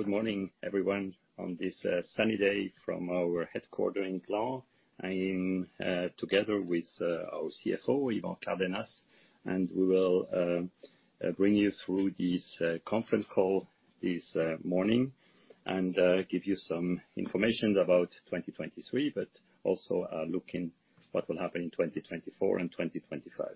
Good morning, everyone. On this sunny day from our headquarters in Gland, I am together with our CFO, Yvan Cardenas, and we will bring you through this conference call this morning and give you some information about 2023, but also looking at what will happen in 2024 and 2025.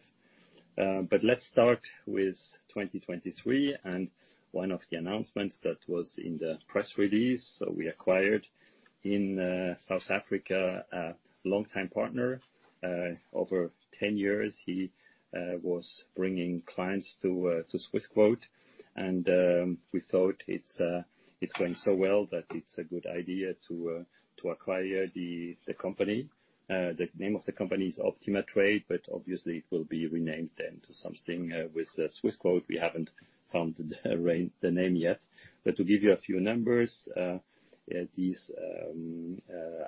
Let's start with 2023 and one of the announcements that was in the press release. So we acquired in South Africa a long-time partner. Over 10 years, he was bringing clients to Swissquote, and we thought it's going so well that it's a good idea to acquire the company. The name of the company is Optimatrade, but obviously it will be renamed then to something with Swissquote. We haven't found the right name yet. But to give you a few numbers, this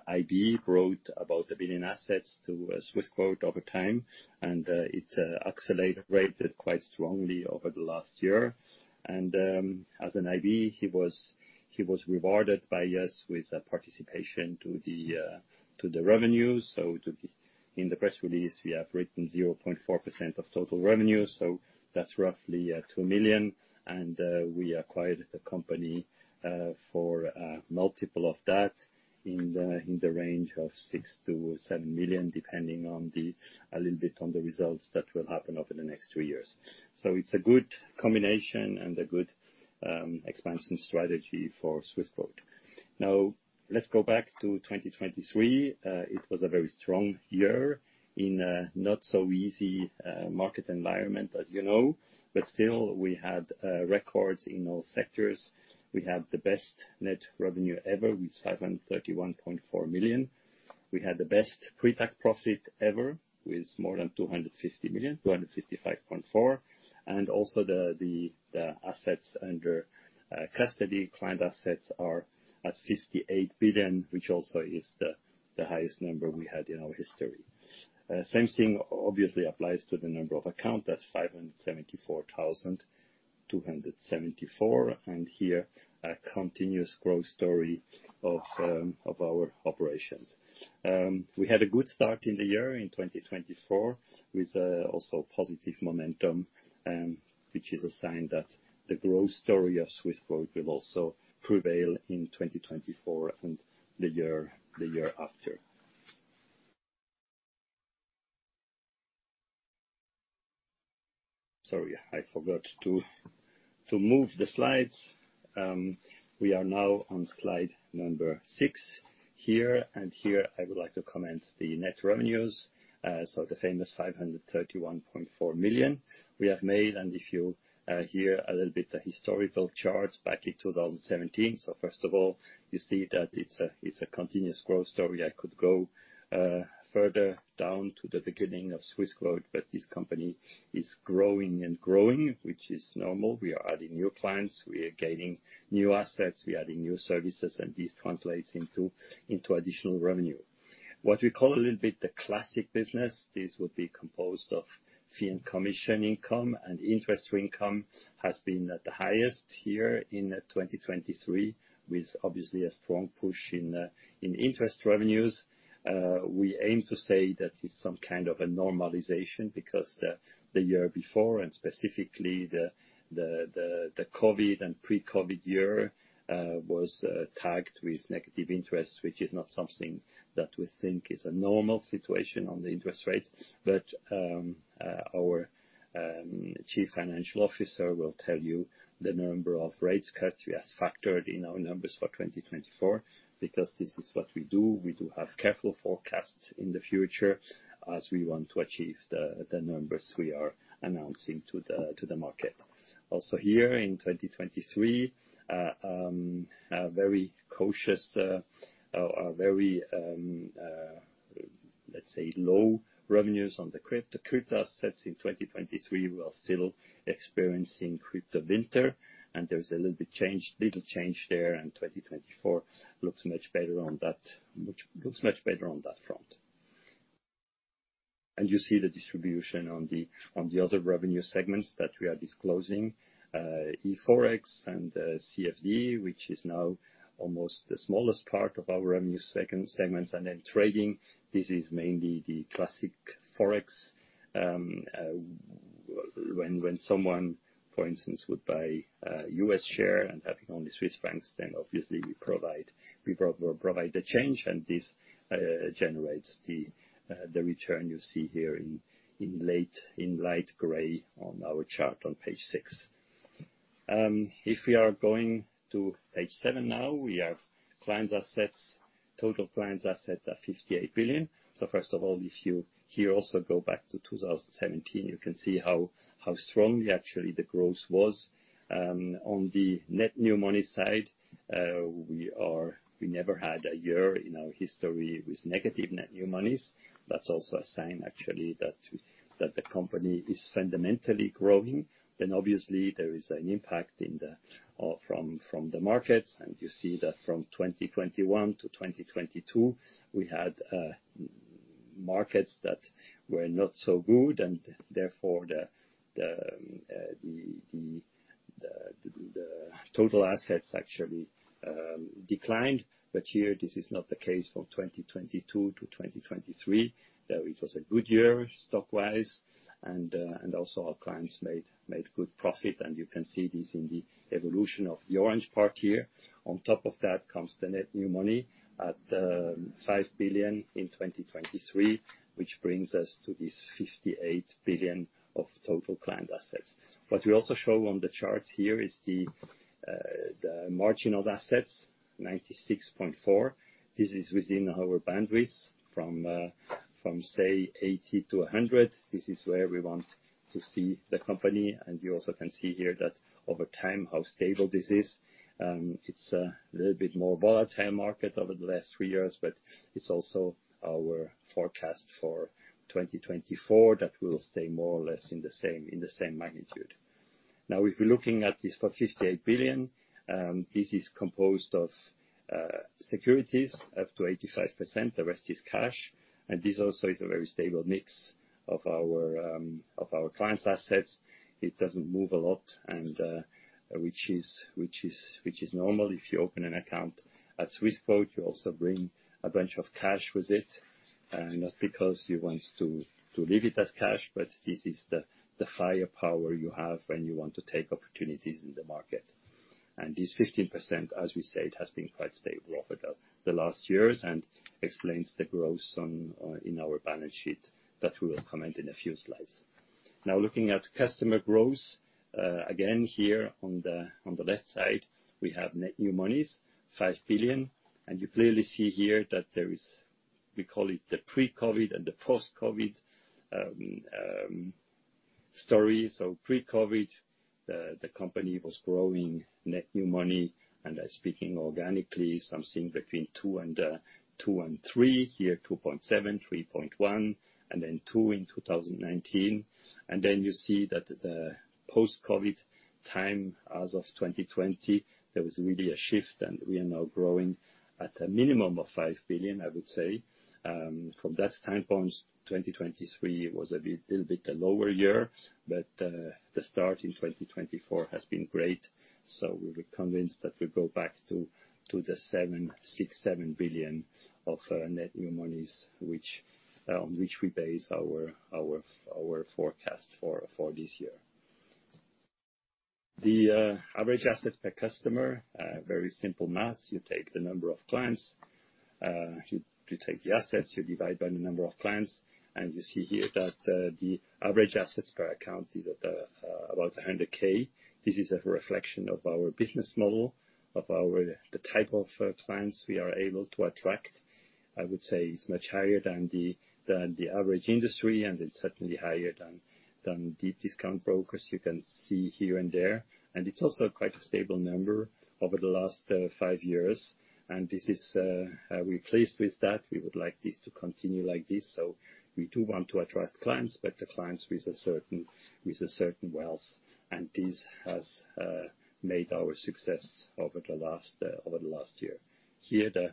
IB brought about 1 billion assets to Swissquote over time, and it accelerated quite strongly over the last year. And as an IB, he was rewarded by us with participation to the revenues. So in the press release, we have written 0.4% of total revenues, so that's roughly 2 million. And we acquired the company for a multiple of that in the range of 6 million-7 million, depending a little bit on the results that will happen over the next two years. So it's a good combination and a good expansion strategy for Swissquote. Now, let's go back to 2023. It was a very strong year in a not-so-easy market environment, as you know, but still we had records in all sectors. We had the best net revenue ever with 531.4 million. We had the best pre-tax profit ever with more than 250 million, 255.4. And also the assets under custody, client assets, are at 58 billion, which also is the highest number we had in our history. The same thing obviously applies to the number of accounts, that's 574,274, and here, a continuous growth story of our operations. We had a good start in the year, in 2024, with also positive momentum, which is a sign that the growth story of Swissquote will also prevail in 2024 and the year after. Sorry, I forgot to move the slides. We are now on slide number 6 here, and here I would like to comment the net revenues, so the famous 531.4 million we have made. And if you hear a little bit the historical chart back in 2017, so first of all, you see that it's a continuous growth story. I could go further down to the beginning of Swissquote, but this company is growing and growing, which is normal. We are adding new clients. We are gaining new assets. We are adding new services, and this translates into additional revenue. What we call a little bit the classic business, this would be composed of fee and commission income, and interest rate income has been at the highest here in 2023 with, obviously, a strong push in interest revenues. We aim to say that it's some kind of a normalization because the year before, and specifically the COVID and pre-COVID year, was tagged with negative interest, which is not something that we think is a normal situation on the interest rates. But our Chief Financial Officer will tell you the number of rates cut we have factored in our numbers for 2024 because this is what we do. We do have careful forecasts in the future as we want to achieve the numbers we are announcing to the market. Also here in 2023, very cautious, very, let's say, low revenues on the crypto assets in 2023. We are still experiencing crypto winter, and there is a little change there, and 2024 looks much better on that front. And you see the distribution on the other revenue segments that we are disclosing, eForex and CFD, which is now almost the smallest part of our revenue segments. And then trading, this is mainly the classic Forex. When someone, for instance, would buy a U.S. share and having only Swiss francs, then obviously we provide the change, and this generates the return you see here in light gray on our chart on page 6. If we are going to page 7 now, we have client assets, total client assets at 58 billion. So first of all, if you here also go back to 2017, you can see how strongly, actually, the growth was. On the net new money side, we never had a year in our history with negative net new monies. That's also a sign, actually, that the company is fundamentally growing. Then obviously there is an impact on the overall from the markets, and you see that from 2021 to 2022, we had markets that were not so good, and therefore the total assets actually declined. But here this is not the case. From 2022 to 2023, it was a good year stock-wise, and also our clients made good profit, and you can see this in the evolution of the orange part here. On top of that comes the net new money of 5 billion in 2023, which brings us to this 58 billion of total client assets. What we also show on the charts here is the margin of assets, 96.4%. This is within our boundaries from, say, 80%-100%. This is where we want to see the company, and you also can see here that over time how stable this is. It's a little bit more volatile market over the last three years, but it's also our forecast for 2024 that will stay more or less in the same magnitude. Now, if we're looking at this for 58 billion, this is composed of securities up to 85%. The rest is cash, and this also is a very stable mix of our clients' assets. It doesn't move a lot, and which is normal. If you open an account at Swissquote, you also bring a bunch of cash with it, not because you want to leave it as cash, but this is the firepower you have when you want to take opportunities in the market. This 15%, as we say, it has been quite stable over the last years and explains the growth in our balance sheet that we will comment in a few slides. Now, looking at customer growth, again here on the left side, we have net new monies, 5 billion, and you clearly see here that there is, we call it the pre-COVID and the post-COVID story. So pre-COVID, the company was growing net new money, and I'm speaking organically, something between two and three here, 2.7 billion, 3.1 billion, and then 2 billion in 2019. And then you see that the post-COVID time as of 2020, there was really a shift, and we are now growing at a minimum of 5 billion, I would say. From that standpoint, 2023 was a bit a little bit a lower year, but the start in 2024 has been great, so we were convinced that we'd go back to the 76-77 billion of net new monies, which on which we base our our our forecast for for this year. The average assets per customer, very simple math. You take the number of clients, you take the assets, you divide by the number of clients, and you see here that the average assets per account is at about 100,000. This is a reflection of our business model, of the type of clients we are able to attract. I would say it's much higher than the average industry, and it's certainly higher than deep discount brokers you can see here and there. It's also quite a stable number over the last five years, and this is; we're pleased with that. We would like this to continue like this. So we do want to attract clients, but the clients with a certain with a certain wealth, and this has made our success over the last over the last year. Here, the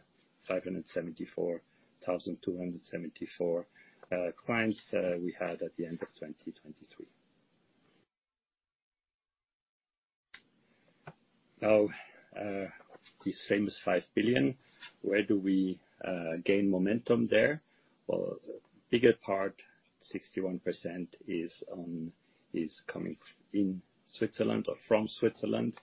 574,274 clients we had at the end of 2023. Now, this famous 5 billion, where do we gain momentum there? Well, bigger part, 61%, is coming from Switzerland,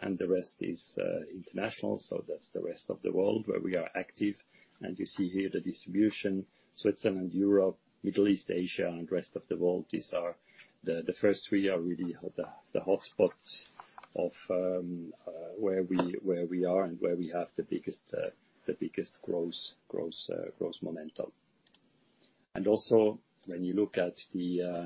and the rest is international, so that's the rest of the world where we are active. And you see here the distribution: Switzerland, Europe, Middle East, Asia, and rest of the world. These are the first three are really hot, the hotspots of where we are and where we have the biggest growth momentum. And also when you look at the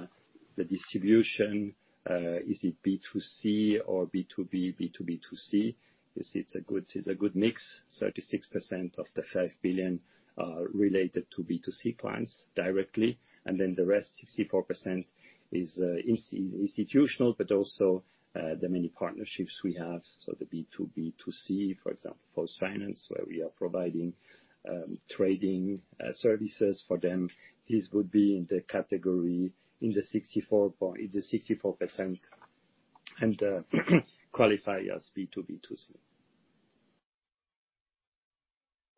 distribution, is it B2C or B2B, B2B2C? You see it's a good mix. 36% of the 5 billion are related to B2C clients directly, and then the rest, 64%, is institutional, but also the many partnerships we have, so the B2B2C, for example, PostFinance, where we are providing trading services for them. This would be in the category in the 64% and qualify as B2B2C.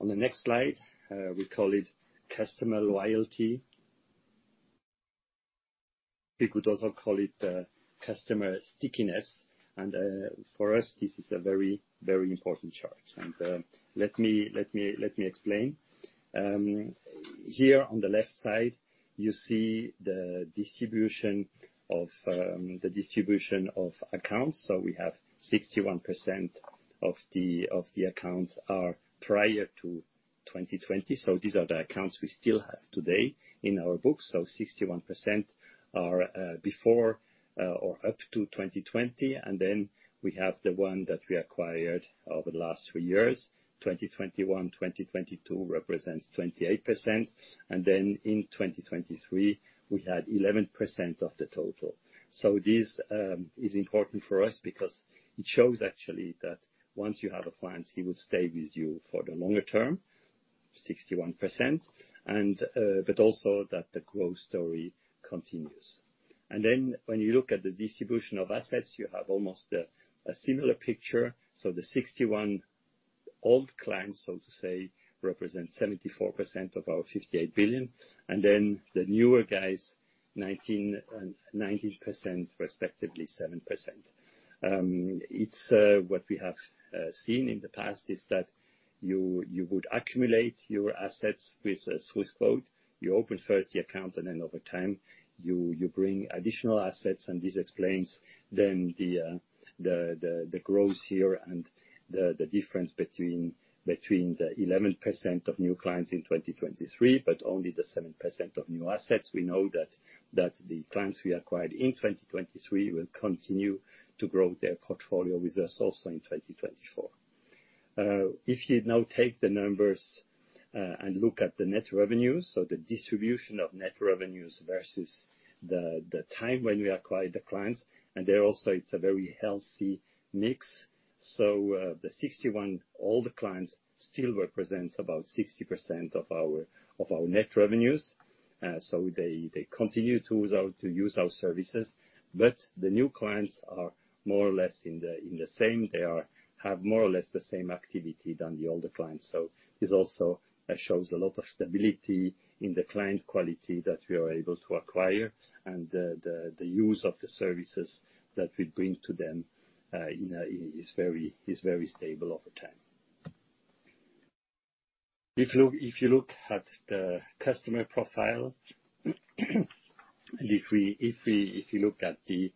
On the next slide, we call it customer loyalty. We could also call it customer stickiness, and for us, this is a very, very important chart. Let me explain. Here on the left side, you see the distribution of accounts. So we have 61% of the accounts are prior to 2020, so these are the accounts we still have today in our books. So 61% are before or up to 2020, and then we have the ones that we acquired over the last three years. 2021 and 2022 represent 28%, and then in 2023, we had 11% of the total. So this is important for us because it shows actually that once you have a client, he would stay with you for the longer term, 61%, and but also that the growth story continues. Then when you look at the distribution of assets, you have almost a similar picture. So the 61 old clients, so to say, represent 74% of our 58 billion, and then the newer guys, 19% and 7%, respectively. It's what we have seen in the past is that you would accumulate your assets with Swissquote. You open first the account, and then over time you bring additional assets, and this explains then the growth here and the difference between the 11% of new clients in 2023 but only the 7% of new assets. We know that the clients we acquired in 2023 will continue to grow their portfolio with us also in 2024. If you now take the numbers, and look at the net revenues, so the distribution of net revenues versus the time when we acquired the clients, and there also it's a very healthy mix. So, the 61 old clients still represents about 60% of our net revenues, so they continue to use our services, but the new clients are more or less in the same. They have more or less the same activity than the older clients, so this also shows a lot of stability in the client quality that we are able to acquire, and the use of the services that we bring to them is very stable over time. If you look at the customer profile, and if you look at the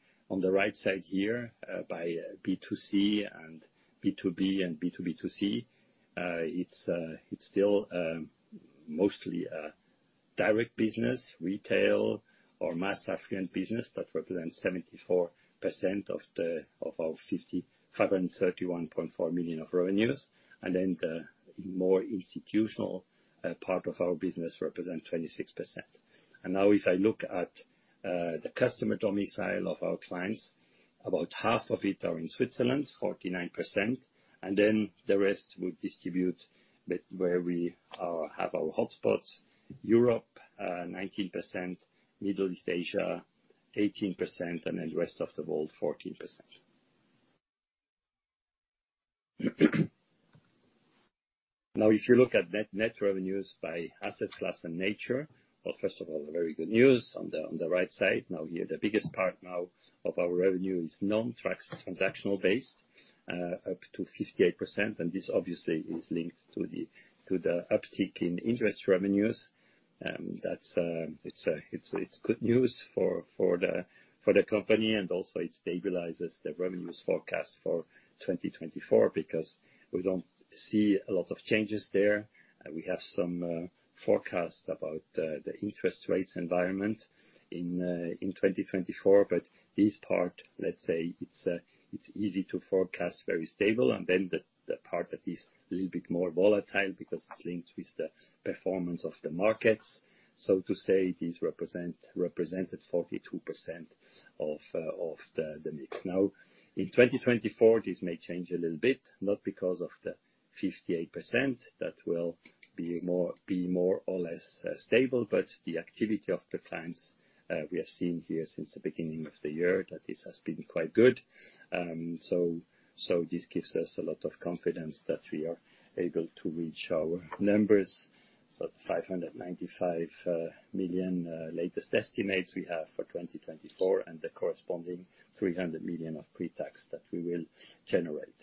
right side here, by B2C and B2B and B2B2C, it's still mostly direct business, retail, or mass affluent business that represents 74% of our 50,531.4 million of revenues, and then the more institutional part of our business represents 26%. And now if I look at the customer domicile of our clients, about half of it are in Switzerland, 49%, and then the rest would distribute but where we have our hotspots: Europe, 19%, Middle East, Asia, 18%, and then the rest of the world, 14%. Now, if you look at net revenues by asset class and nature, well, first of all, very good news on the right side. Now here, the biggest part now of our revenue is non-transactional-based, up to 58%, and this obviously is linked to the uptick in interest revenues. That's, it's good news for the company, and also it stabilizes the revenues forecast for 2024 because we don't see a lot of changes there. We have some forecasts about the interest rates environment in 2024, but this part, let's say, it's easy to forecast, very stable, and then the part that is a little bit more volatile because it's linked with the performance of the markets, so to say, these represented 42% of the mix. Now, in 2024, this may change a little bit, not because of the 58% that will be more or less stable, but the activity of the clients; we have seen here since the beginning of the year that this has been quite good. So this gives us a lot of confidence that we are able to reach our numbers. So the 595 million latest estimates we have for 2024 and the corresponding 300 million of pre-tax that we will generate.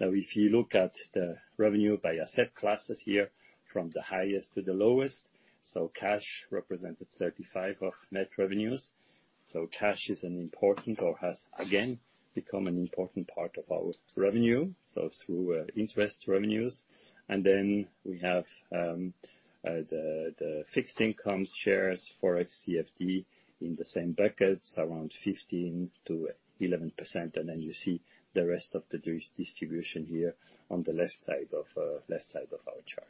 Now, if you look at the revenue by asset classes here from the highest to the lowest, so cash represented 35% of net revenues. So cash is an important or has again become an important part of our revenue, so through interest revenues, and then we have the fixed incomes, shares, forex, CFD in the same buckets, around 15%-11%, and then you see the rest of the distribution here on the left side of our chart.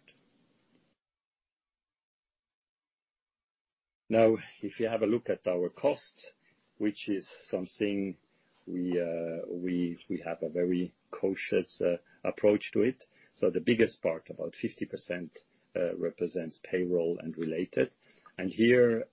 Now, if you have a look at our costs, which is something we have a very cautious approach to it, so the biggest part, about 50%, represents payroll and related, and here,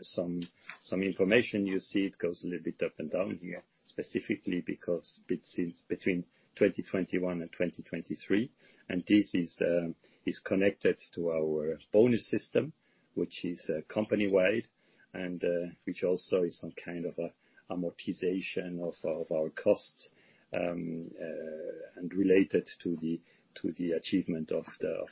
some information you see it goes a little bit up and down here, specifically because it seems between 2021 and 2023, and this is connected to our bonus system, which is company-wide, and which also is some kind of a amortization of our costs, and related to the achievement of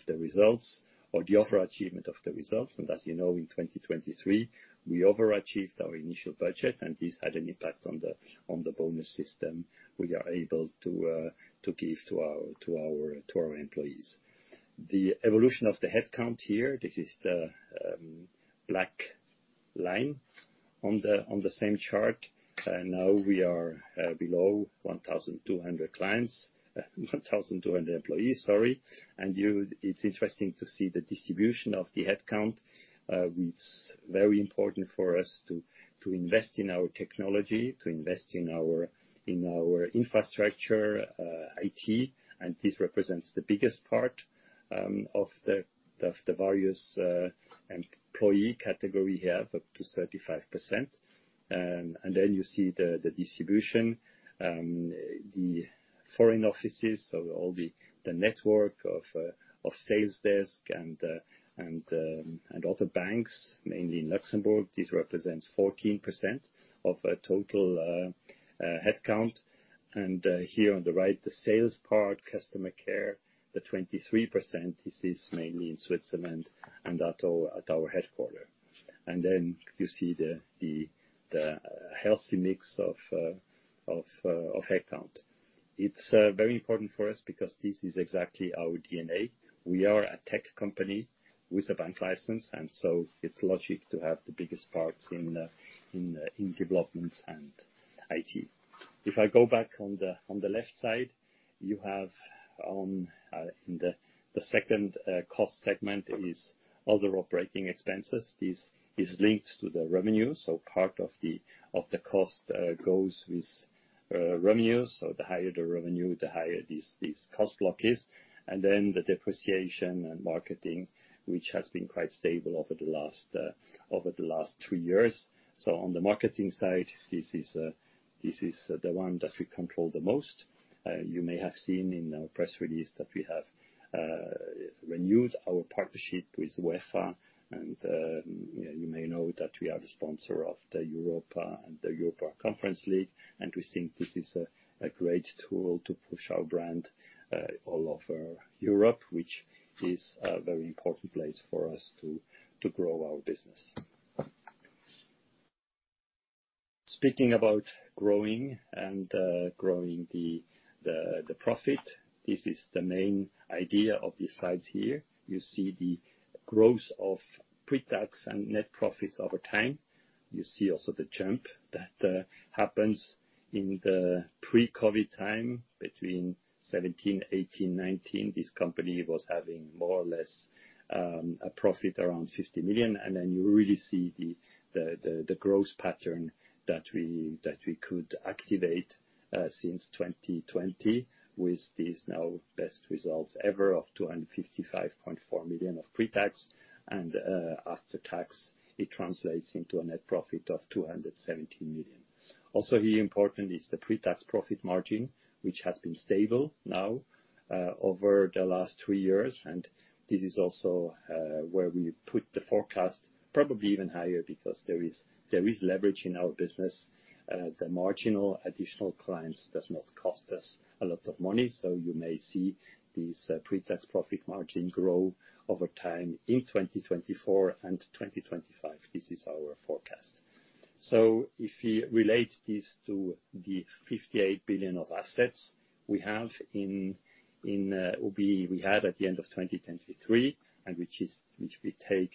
the results or the overachievement of the results. And as you know, in 2023, we overachieved our initial budget, and this had an impact on the bonus system we are able to give to our employees. The evolution of the headcount here, this is the black line on the same chart. Now we are below 1,200 employees, sorry, and it's interesting to see the distribution of the headcount. It's very important for us to invest in our technology, to invest in our infrastructure, IT, and this represents the biggest part of the various employee category here, up to 35%. Then you see the distribution, the foreign offices, so all the network of sales desk and other banks, mainly in Luxembourg, this represents 14% of the total headcount. Here on the right, the sales part, customer care, the 23%, this is mainly in Switzerland and at our headquarters. Then you see the healthy mix of headcount. It's very important for us because this is exactly our DNA. We are a tech company with a bank license, and so it's logical to have the biggest parts in developments and IT. If I go back on the left side, you have in the second cost segment is other operating expenses. This is linked to the revenue, so part of the cost goes with revenues, so the higher the revenue, the higher this cost block is, and then the depreciation and marketing, which has been quite stable over the last three years. So on the marketing side, this is the one that we control the most. You may have seen in our press release that we have renewed our partnership with UEFA, and yeah, you may know that we are the sponsor of the Europa and the Europa Conference League, and we think this is a great tool to push our brand all over Europe, which is a very important place for us to grow our business. Speaking about growing and growing the profit, this is the main idea of these slides here. You see the growth of pre-tax and net profits over time. You see also the jump that happens in the pre-COVID time between 2017, 2018, 2019. This company was having more or less a profit around 50 million, and then you really see the growth pattern that we could activate since 2020 with these now best results ever of 255.4 million pre-tax, and after tax, it translates into a net profit of 217 million. Also here important is the pre-tax profit margin, which has been stable now over the last three years, and this is also where we put the forecast probably even higher because there is leverage in our business. The marginal additional clients does not cost us a lot of money, so you may see this pre-tax profit margin grow over time in 2024 and 2025. This is our forecast. So if we relate this to the 58 billion of assets we had at the end of 2023, and which we take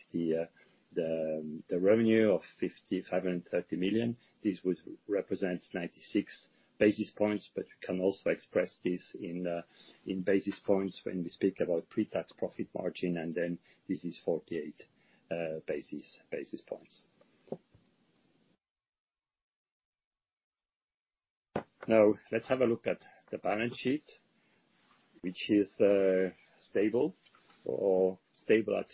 the revenue of 505.30 million, this would represent 96 basis points, but we can also express this in basis points when we speak about pre-tax profit margin, and then this is 48 basis points. Now, let's have a look at the balance sheet, which is stable at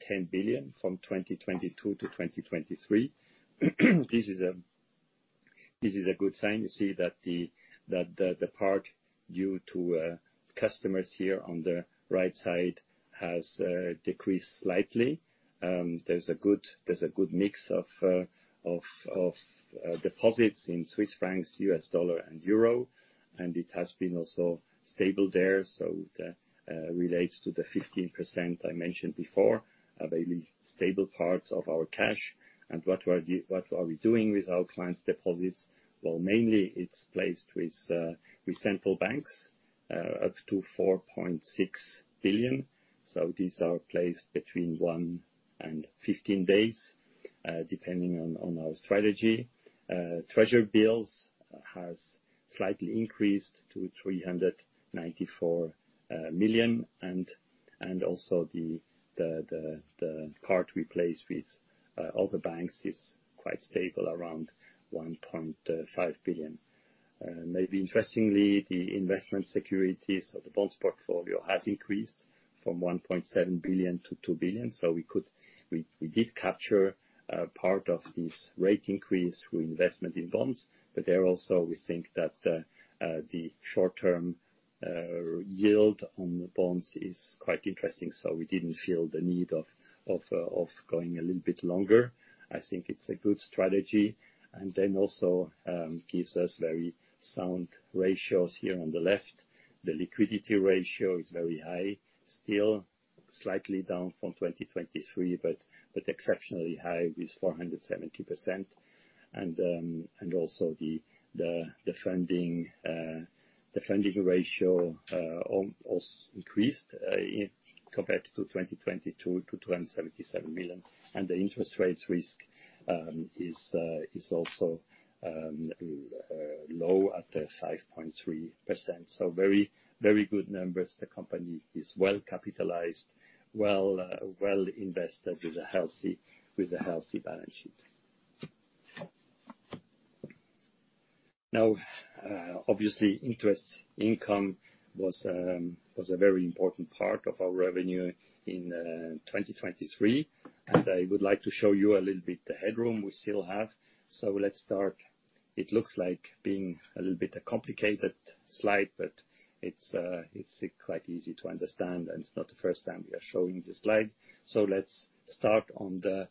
10 billion from 2022 to 2023. This is a good sign. You see that the part due to customers here on the right side has decreased slightly. There's a good mix of deposits in Swiss francs, US dollar, and euro, and it has been also stable there, so it relates to the 15% I mentioned before, a very stable part of our cash. And what are we doing with our clients' deposits? Well, mainly it's placed with central banks, up to 4.6 billion, so these are placed between one and 15 days, depending on our strategy. Treasury bills has slightly increased to 394 million, and also the part we place with other banks is quite stable around 1.5 billion. Maybe interestingly, the investment securities, so the bonds portfolio, has increased from 1.7 billion to 2 billion, so we did capture part of this rate increase through investment in bonds, but there also we think that the short-term yield on the bonds is quite interesting, so we didn't feel the need of going a little bit longer. I think it's a good strategy, and then also gives us very sound ratios here on the left. The liquidity ratio is very high still, slightly down from 2023, but exceptionally high with 470%, and also the funding ratio also increased in compared to 2022 to 277 million, and the interest rates risk is also low at 5.3%, so very, very good numbers. The company is well capitalized, well invested with a healthy balance sheet. Now, obviously, interest income was a very important part of our revenue in 2023, and I would like to show you a little bit the headroom we still have, so let's start. It looks like being a little bit a complicated slide, but it's quite easy to understand, and it's not the first time we are showing this slide, so let's start on the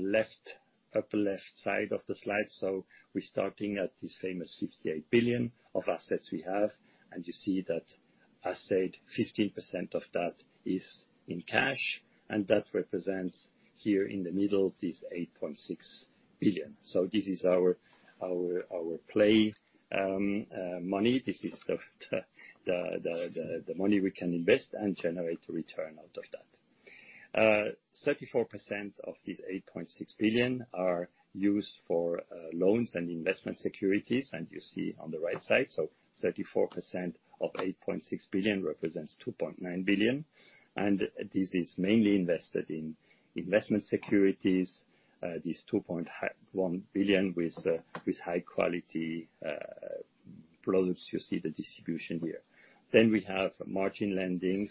left upper left side of the slide. So we're starting at this famous 58 billion of assets we have, and you see that I said 15% of that is in cash, and that represents here in the middle this 8.6 billion. So this is our play money. This is the money we can invest and generate a return out of that. 34% of this 8.6 billion are used for loans and investment securities, and you see on the right side, so 34% of 8.6 billion represents 2.9 billion, and this is mainly invested in investment securities, this CHF 2.1 billion with high-quality products. You see the distribution here. Then we have margin lending,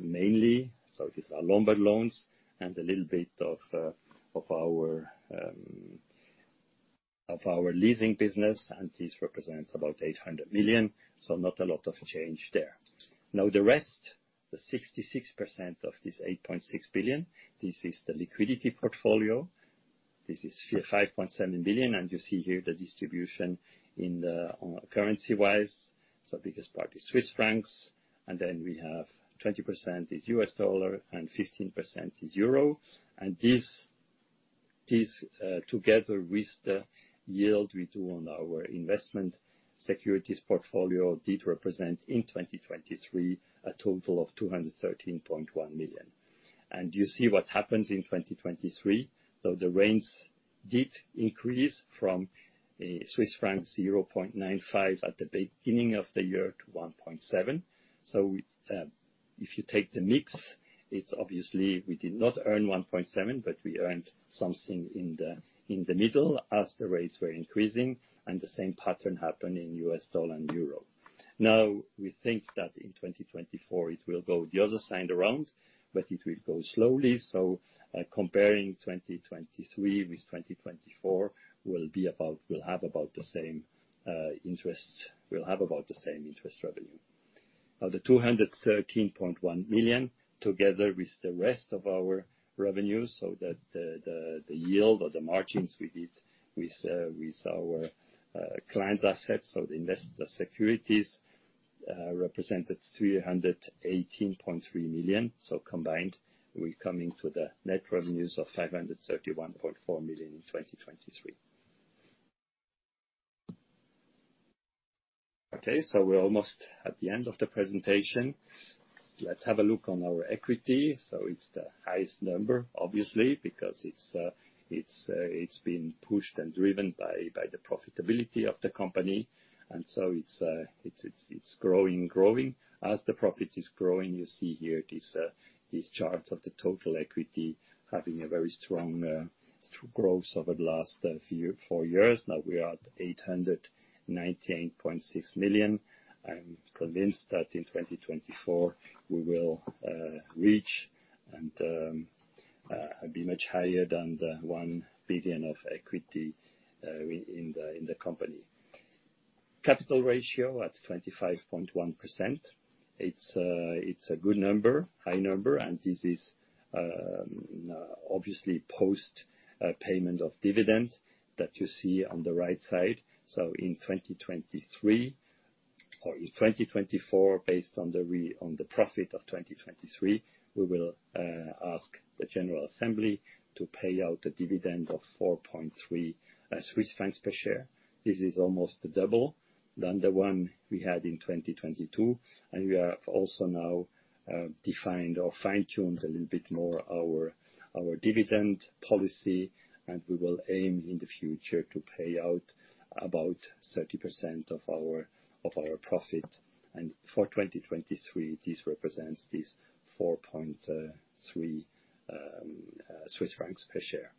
mainly, so these are Lombard loans and a little bit of our leasing business, and this represents about 800 million, so not a lot of change there. Now, the rest, the 66% of this 8.6 billion, this is the liquidity portfolio. This is 5.7 billion, and you see here the distribution in the currency-wise, so the biggest part is Swiss francs, and then we have 20% is US dollar and 15% is euro, and this, this, together with the yield we do on our investment securities portfolio did represent in 2023 a total of 213.1 million. You see what happens in 2023, so the rates did increase from, Swiss francs 0.95% at the beginning of the year to 1.7%, so, if you take the mix, it's obviously we did not earn 1.7%, but we earned something in the middle as the rates were increasing, and the same pattern happened in US dollar and euro. Now, we think that in 2024 it will go the other side around, but it will go slowly, so, comparing 2023 with 2024 will have about the same, interests will have about the same interest revenue. Now, the 213.1 million together with the rest of our revenue, so that the yield or the margins we did with our clients' assets, so the investor securities, represented 318.3 million, so combined, we're coming to the net revenues of 531.4 million in 2023. Okay, so we're almost at the end of the presentation. Let's have a look on our equity. So it's the highest number, obviously, because it's been pushed and driven by the profitability of the company, and so it's growing. As the profit is growing, you see here this chart of the total equity having a very strong growth over the last four years. Now, we are at 898.6 million. I'm convinced that in 2024 we will reach and be much higher than the 1 billion of equity in the company. Capital ratio at 25.1%. It's a good number, high number, and this is obviously post payment of dividend that you see on the right side. So in 2023 or in 2024, based on the profit of 2023, we will ask the general assembly to pay out the dividend of 4.3 Swiss francs per share. This is almost the double than the one we had in 2022, and we have also now defined or fine-tuned a little bit more our dividend policy, and we will aim in the future to pay out about 30% of our profit, and for 2023, this represents 4.3 Swiss francs per share.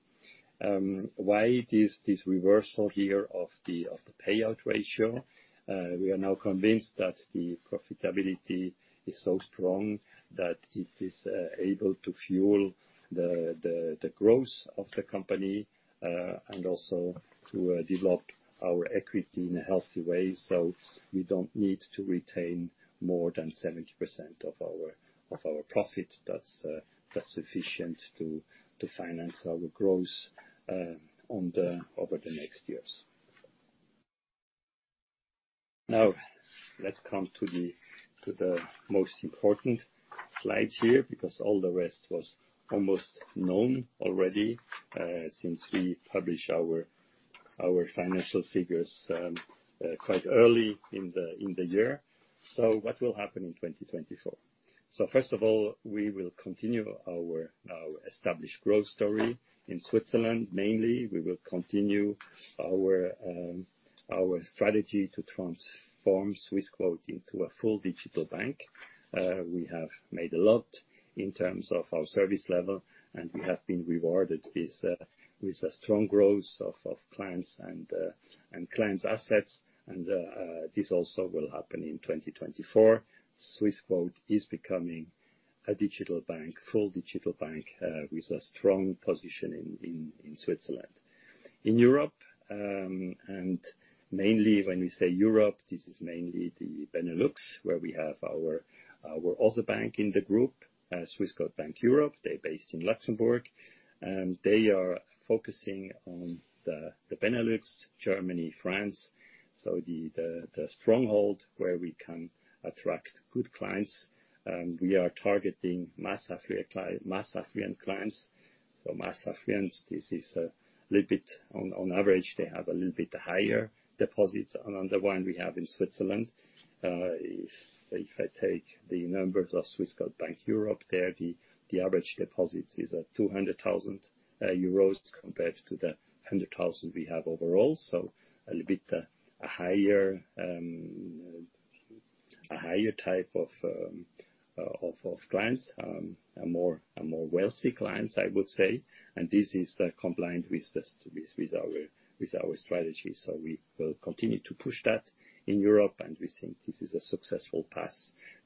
Why this reversal here of the payout ratio? We are now convinced that the profitability is so strong that it is able to fuel the growth of the company, and also to develop our equity in a healthy way, so we don't need to retain more than 70% of our profit. That's sufficient to finance our growth over the next years. Now, let's come to the most important slides here because all the rest was almost known already, since we publish our financial figures quite early in the year. So what will happen in 2024? So first of all, we will continue our established growth story in Switzerland mainly. We will continue our strategy to transform Swissquote into a full digital bank. We have made a lot in terms of our service level, and we have been rewarded with a strong growth of clients and clients' assets, and this also will happen in 2024. Swissquote is becoming a digital bank, full digital bank, with a strong position in Switzerland. In Europe, and mainly when we say Europe, this is mainly the Benelux where we have our other bank in the group, Swissquote Bank Europe. They're based in Luxembourg, they are focusing on the Benelux, Germany, France, so the stronghold where we can attract good clients. We are targeting mass affluent clients, so mass affluents. This is a little bit on average, they have a little bit higher deposits on the one we have in Switzerland. If I take the numbers of Swissquote Bank Europe there, the average deposits is at 200,000 euros compared to the 100,000 we have overall, so a little bit higher, a higher type of clients, a more wealthy clients, I would say, and this is, combined with our strategy, so we will continue to push that in Europe, and we think this is a successful path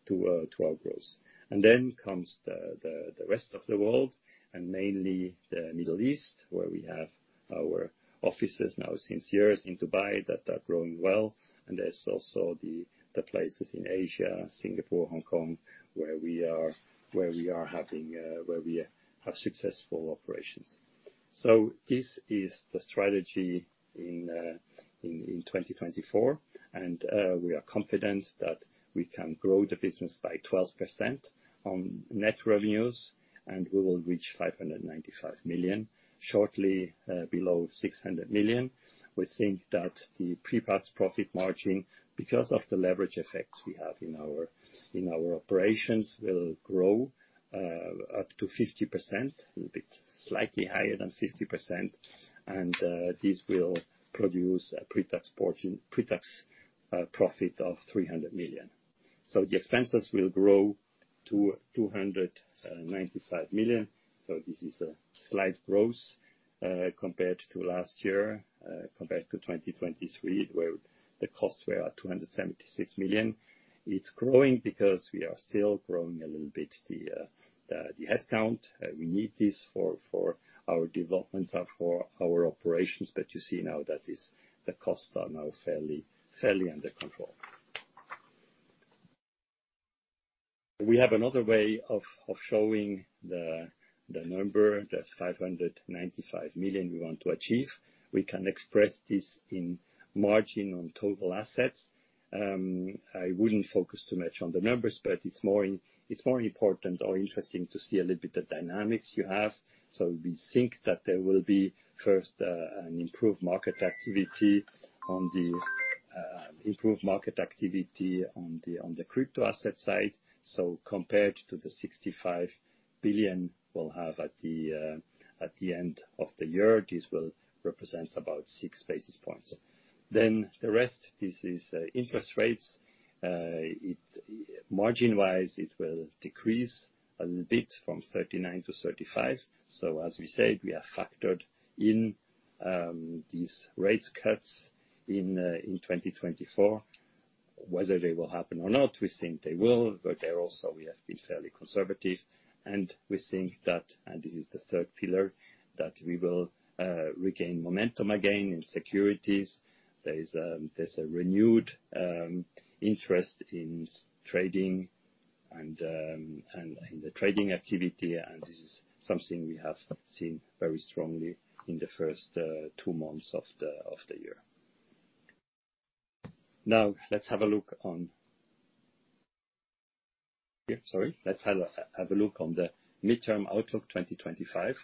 to our growth. And then comes the rest of the world and mainly the Middle East where we have our offices now for years in Dubai that are growing well, and there's also the places in Asia, Singapore, Hong Kong, where we have successful operations. So this is the strategy in 2024, and we are confident that we can grow the business by 12% on net revenues, and we will reach 595 million, short of 600 million. We think that the pre-tax profit margin, because of the leverage effects we have in our operations, will grow up to 50%, a little bit slightly higher than 50%, and this will produce a pre-tax profit of 300 million. So the expenses will grow to 295 million, so this is a slight growth, compared to last year, compared to 2023 where the costs were at 276 million. It's growing because we are still growing a little bit the headcount. We need this for our developments and for our operations, but you see now that the costs are now fairly under control. We have another way of showing the number. There's 595 million we want to achieve. We can express this in margin on total assets. I wouldn't focus too much on the numbers, but it's more important or interesting to see a little bit the dynamics you have, so we think that there will be first, an improved market activity on the crypto asset side, so compared to the 65 billion we'll have at the end of the year, this will represent about six basis points. Then the rest, this is interest rates. It margin-wise, it will decrease a little bit from 39-35, so as we said, we have factored in these rate cuts in 2024. Whether they will happen or not, we think they will, but they're also, we have been fairly conservative, and we think that, and this is the third pillar, that we will regain momentum again in securities. There's a renewed interest in trading and in the trading activity, and this is something we have seen very strongly in the first two months of the year. Now, let's have a look on here, sorry, let's have a look on the midterm outlook 2025.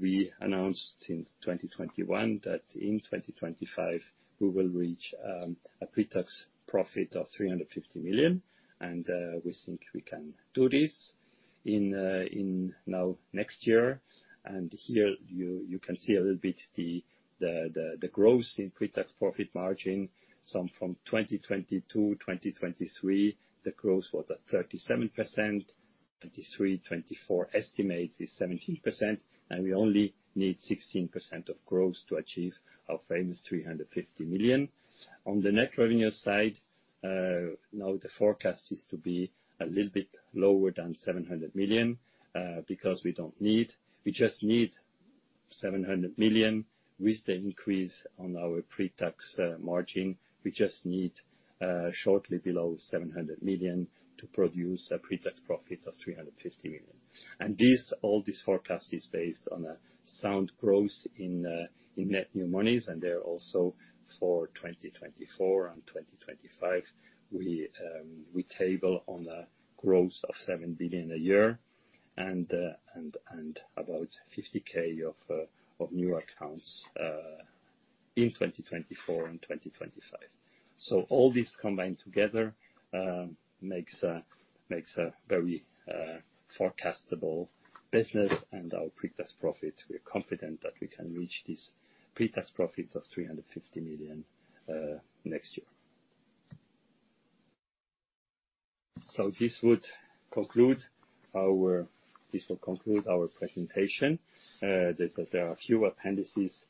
We announced since 2021 that in 2025 we will reach a pre-tax profit of 350 million, and we think we can do this in next year, and here you can see a little bit the growth in pre-tax profit margin. So from 2022-2023, the growth was at 37%, 2023-2024 estimates is 17%, and we only need 16% growth to achieve our famous 350 million. On the net revenue side, now the forecast is to be a little bit lower than 700 million, because we don't need we just need 700 million with the increase on our pre-tax margin. We just need, shortly below 700 million to produce a pre-tax profit of 350 million, and this all this forecast is based on a sound growth in net new monies, and they're also for 2024 and 2025. We table on a growth of 7 billion a year and about 50,000 of new accounts, in 2024 and 2025. So all this combined together makes a very forecastable business and our pre-tax profit. We're confident that we can reach this pre-tax profit of 350 million, next year. So this would conclude our this will conclude our presentation. There are a few appendices,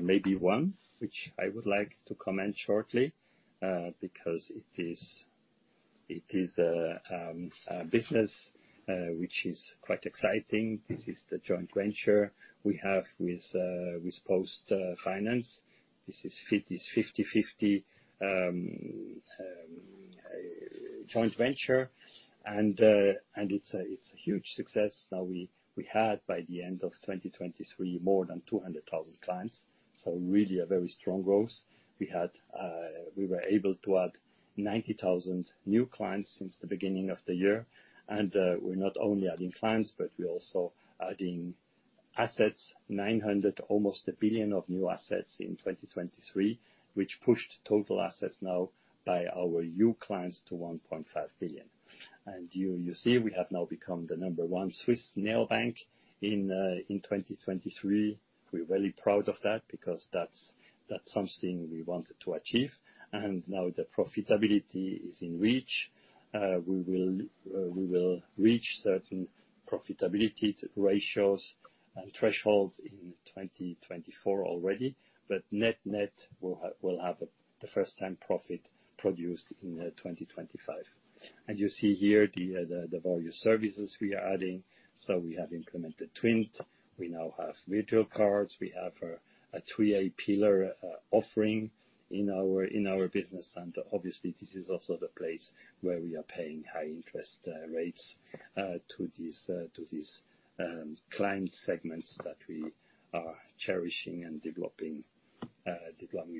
maybe one, which I would like to comment shortly, because it is a business which is quite exciting. This is the joint venture we have with PostFinance. This is, it is a 50/50 joint venture, and it's a huge success. Now, we had by the end of 2023 more than 200,000 clients, so really a very strong growth. We were able to add 90,000 new clients since the beginning of the year, and we're not only adding clients, but we're also adding assets, 900 million, almost a billion, of new assets in 2023, which pushed total assets now by our new clients to 1.5 billion, and you see we have now become the number one Swiss mobile bank in 2023. We're really proud of that because that's something we wanted to achieve, and now the profitability is in reach. We will reach certain profitability ratios and thresholds in 2024 already, but net we'll have the first-time profit produced in 2025, and you see here the various services we are adding. So we have implemented TWINT. We now have virtual cards. We have a 3a pillar offering in our business, and obviously, this is also the place where we are paying high interest rates to this client segments that we are cherishing and developing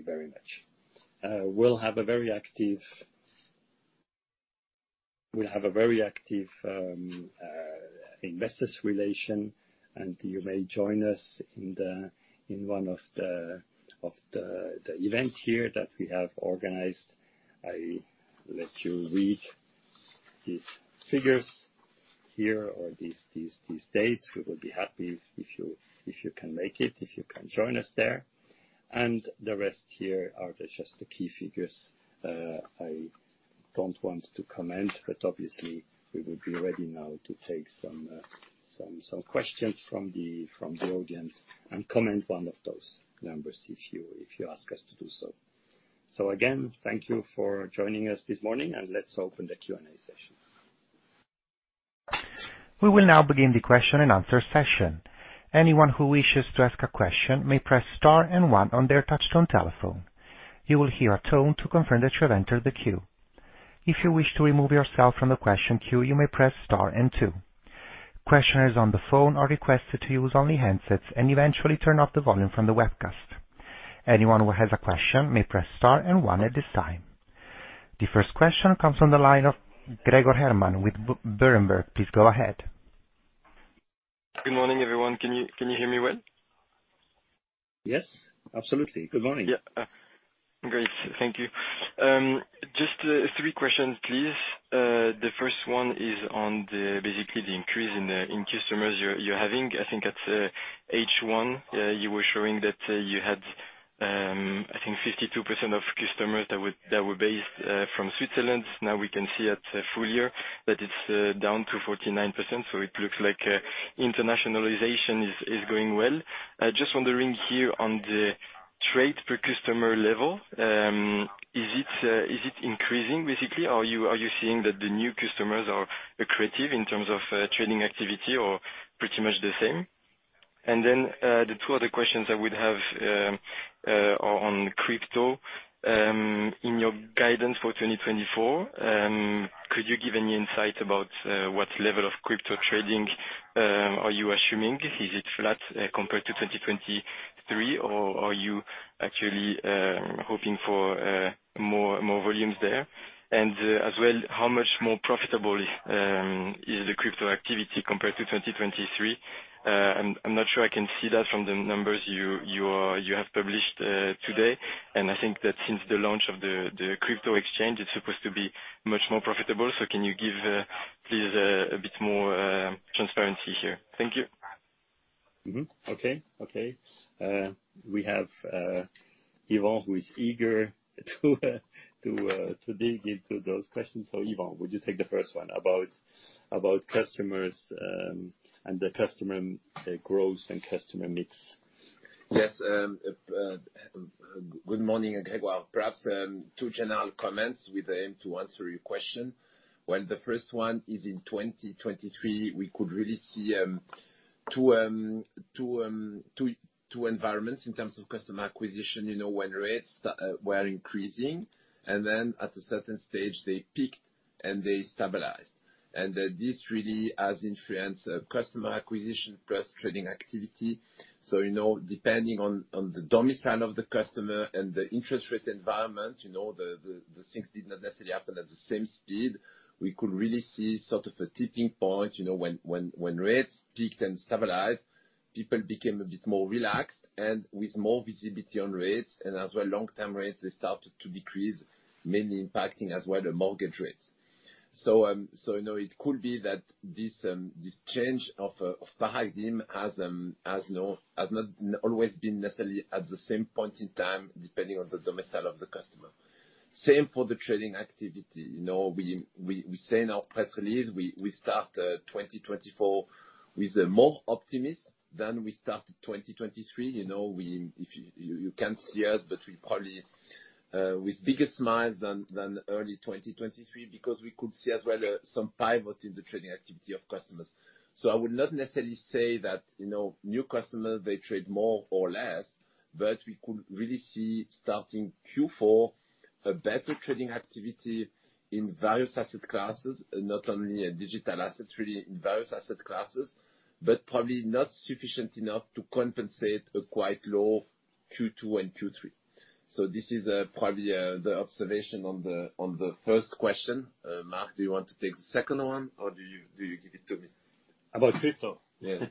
very much. We'll have a very active investor relations, and you may join us in one of the events here that we have organized. I'll let you read these figures here or these dates. We would be happy if you can make it, if you can join us there, and the rest here are just the key figures. I don't want to comment, but obviously, we would be ready now to take some questions from the audience and comment one of those numbers if you ask us to do so. So again, thank you for joining us this morning, and let's open the Q&A session. We will now begin the question and answer session. Anyone who wishes to ask a question may press star and one on their touch-tone telephone. You will hear a tone to confirm that you have entered the queue. If you wish to remove yourself from the question queue, you may press star and two. Participants on the phone are requested to use only headsets and eventually turn off the volume from the webcast. Anyone who has a question may press star and one at this time. The first question comes from the line of Gregor Herrmann with Berenberg. Please go ahead. Good morning, everyone. Can you can you hear me well? Yes, absolutely. Good morning. Yeah, great. Thank you. Just, three questions, please. The first one is on the basically the increase in, in customers you're you're having. I think at, H1, you were showing that, you had, I think 52% of customers that were that were based, from Switzerland. Now, we can see at, full year that it's, down to 49%, so it looks like, internationalization is is going well. Just wondering here on the trade per customer level, is it increasing, basically, or are you seeing that the new customers are accretive in terms of trading activity or pretty much the same? And then, the two other questions I would have are on crypto. In your guidance for 2024, could you give any insight about what level of crypto trading are you assuming? Is it flat compared to 2023, or are you actually hoping for more volumes there? And, as well, how much more profitable is the crypto activity compared to 2023? I'm not sure I can see that from the numbers you have published today, and I think that since the launch of the crypto exchange, it's supposed to be much more profitable, so can you give, please, a bit more transparency here? Thank you. Mm-hmm. Okay. Okay. We have, Yvan, who is eager to dig into those questions. So Yvan, would you take the first one about customers, and the customer growth and customer mix? Yes. Good morning, Gregor. Perhaps, two general comments with the aim to answer your question. Well, the first one is in 2023, we could really see, two environments in terms of customer acquisition, you know, when rates were increasing, and then at a certain stage, they peaked and they stabilized, and, this really has influenced, customer acquisition plus trading activity. So, you know, depending on the domicile of the customer and the interest rate environment, you know, the things did not necessarily happen at the same speed. We could really see sort of a tipping point, you know, when rates peaked and stabilized, people became a bit more relaxed and with more visibility on rates, and as well, long-term rates, they started to decrease, mainly impacting as well the mortgage rates. So, you know, it could be that this change of paradigm has not always been necessarily at the same point in time depending on the domicile of the customer. Same for the trading activity. You know, we say in our press release, we start 2024 with a more optimistic than we started 2023. You know, we if you can't see us, but we probably with bigger smiles than early 2023 because we could see as well some pivot in the trading activity of customers. So I would not necessarily say that, you know, new customers, they trade more or less, but we could really see starting Q4 a better trading activity in various asset classes, not only digital assets, really in various asset classes, but probably not sufficient enough to compensate a quite low Q2 and Q3. So this is, probably, the observation on the on the first question. Marc, do you want to take the second one, or do you do you give it to me? About crypto? Yeah.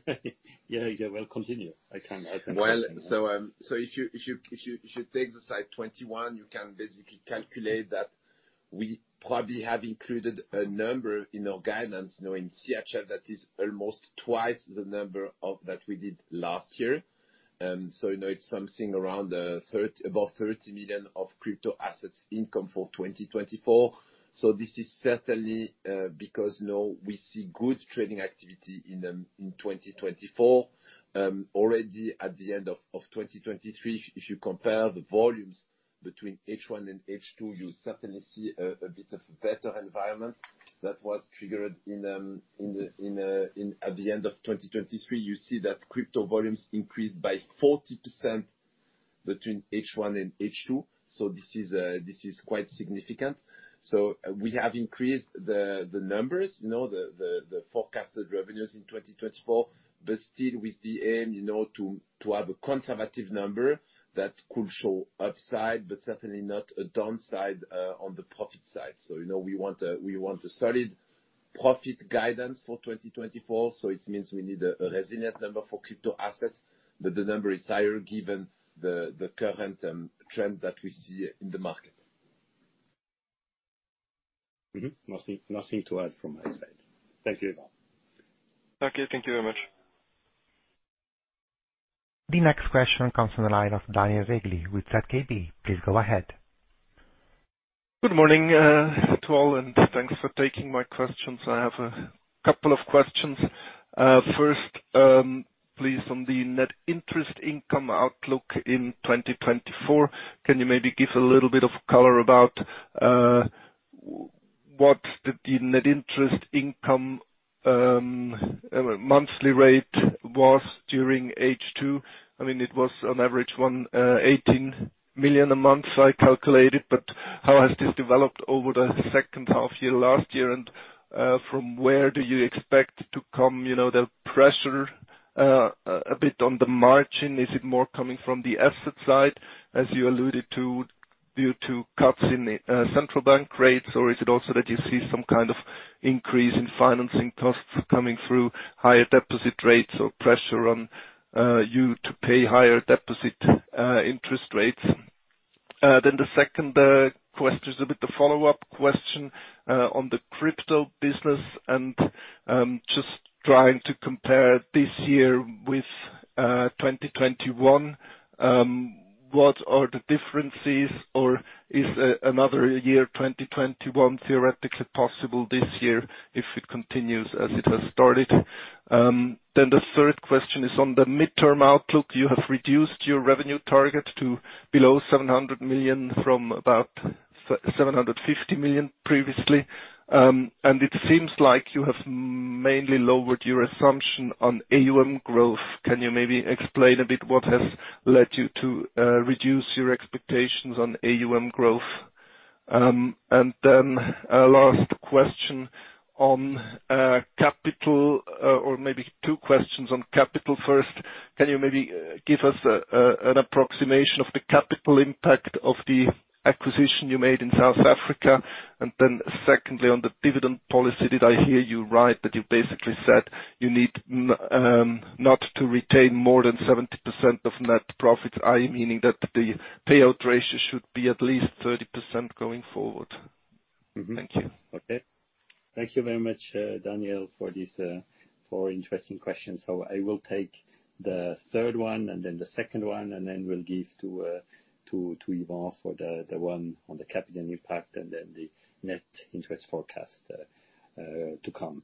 Yeah, yeah. Well, continue. I can I can finish. Well, so, so if you if you if you if you take the slide 21, you can basically calculate that we probably have included a number in our guidance, you know, in CHF that is almost twice the number of that we did last year. So, you know, it's something around 30, above 30 million of crypto assets income for 2024, so this is certainly because, you know, we see good trading activity in 2024. Already at the end of 2023, if you compare the volumes between H1 and H2, you certainly see a bit of better environment that was triggered in at the end of 2023, you see that crypto volumes increased by 40% between H1 and H2, so this is quite significant. So we have increased the numbers, you know, the forecasted revenues in 2024, but still with the aim, you know, to have a conservative number that could show upside, but certainly not a downside, on the profit side. So, you know, we want a solid profit guidance for 2024, so it means we need a resilient number for crypto assets, but the number is higher given the current trend that we see in the market. Mm-hmm. Nothing to add from my side. Thank you, Yvan. Okay. Thank you very much. The next question comes on the line of Daniel Regli with ZKB. Please go ahead. Good morning to all, and thanks for taking my questions. I have a couple of questions. First, please, on the net interest income outlook in 2024, can you maybe give a little bit of color about what the net interest income monthly rate was during H2? I mean, it was, on average, 118 million a month, I calculated, but how has this developed over the second half year last year, and from where do you expect to come, you know, the pressure a bit on the margin? Is it more coming from the asset side, as you alluded to, due to cuts in central bank rates, or is it also that you see some kind of increase in financing costs coming through, higher deposit rates, or pressure on you to pay higher deposit interest rates? Then the second question is a bit the follow-up question on the crypto business and just trying to compare this year with 2021. What are the differences, or is another year, 2021, theoretically possible this year if it continues as it has started? Then the third question is on the midterm outlook. You have reduced your revenue target to below 700 million from about 750 million previously, and it seems like you have mainly lowered your assumption on AUM growth. Can you maybe explain a bit what has led you to reduce your expectations on AUM growth? And then, last question on capital, or maybe two questions on capital. First, can you maybe give us an approximation of the capital impact of the acquisition you made in South Africa, and then secondly, on the dividend policy, did I hear you right that you basically said you need not to retain more than 70% of net profits, i.e., meaning that the payout ratio should be at least 30% going forward? Mm-hmm. Thank you. Okay. Thank you very much, Daniel, for this, for interesting questions. So I will take the third one and then the second one, and then we'll give to Yvan for the one on the capital impact and then the net interest forecast to come.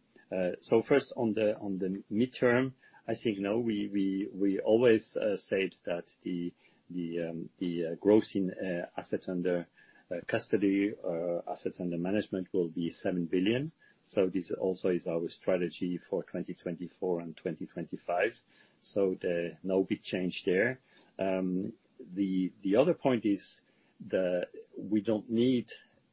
So first, on the midterm, I think, you know, we always said that the growth in assets under custody, assets under management will be 7 billion, so this also is our strategy for 2024 and 2025, so no big change there. The other point is we don't need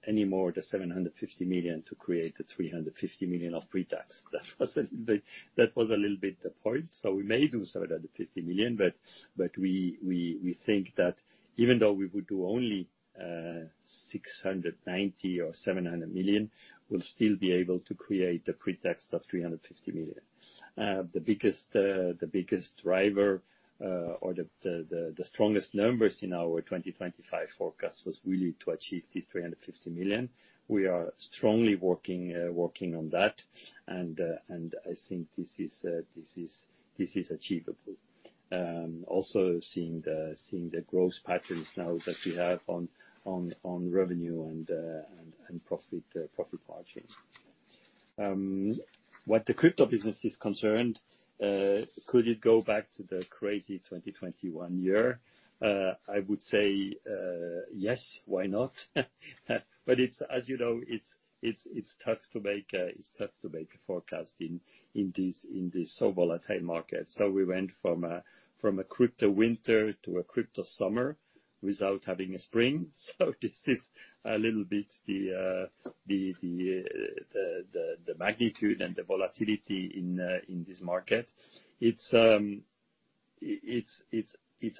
anymore the 750 million to create the 350 million of pre-tax. That was a little bit, that was a little bit the point, so we may do 750 million, but we think that even though we would do only 690 million or 700 million, we'll still be able to create the pre-tax of 350 million. The biggest driver, or the strongest numbers in our 2025 forecast was really to achieve these 350 million. We are strongly working on that, and I think this is achievable, also seeing the growth patterns now that we have on revenue and profit margin. What the crypto business is concerned, could it go back to the crazy 2021 year? I would say, yes, why not? But it's as you know, it's tough to make a forecast in this so volatile market, so we went from a crypto winter to a crypto summer without having a spring, so this is a little bit the magnitude and the volatility in this market. It's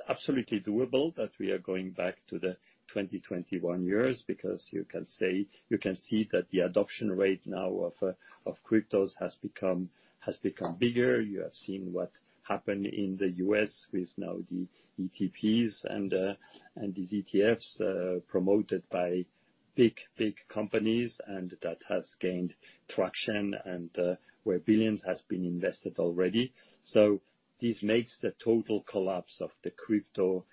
absolutely doable that we are going back to the 2021 years because you can say you can see that the adoption rate now of cryptos has become bigger. You have seen what happened in the U.S. with now the ETPs and these ETFs, promoted by big, big companies, and that has gained traction and where billions have been invested already, so this makes the total collapse of the crypto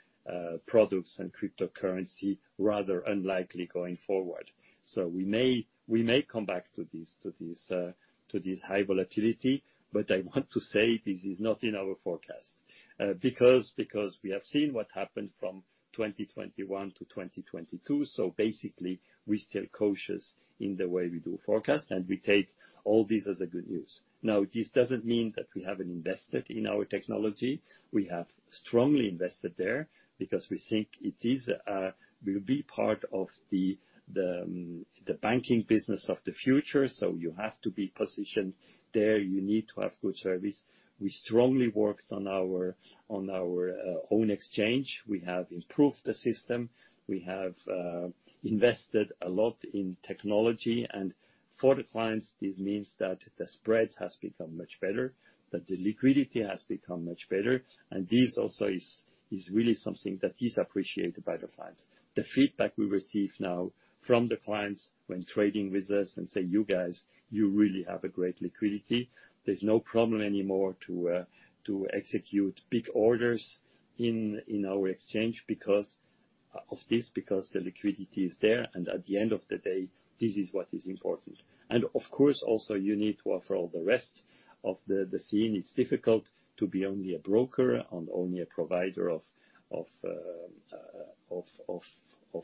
products and cryptocurrency rather unlikely going forward. So we may come back to this high volatility, but I want to say this is not in our forecast, because we have seen what happened from 2021 to 2022, so basically, we're still cautious in the way we do forecast, and we take all this as good news. Now, this doesn't mean that we haven't invested in our technology. We have strongly invested there because we think it is, will be part of the banking business of the future, so you have to be positioned there. You need to have good service. We strongly worked on our own exchange. We have improved the system. We have invested a lot in technology, and for the clients, this means that the spreads have become much better, that the liquidity has become much better, and this also is really something that is appreciated by the clients. The feedback we receive now from the clients when trading with us and say, "You guys, you really have a great liquidity. There's no problem anymore to execute big orders in our exchange because of this, because the liquidity is there," and at the end of the day, this is what is important. And of course, also, you need to offer all the rest of the scene. It's difficult to be only a broker and only a provider of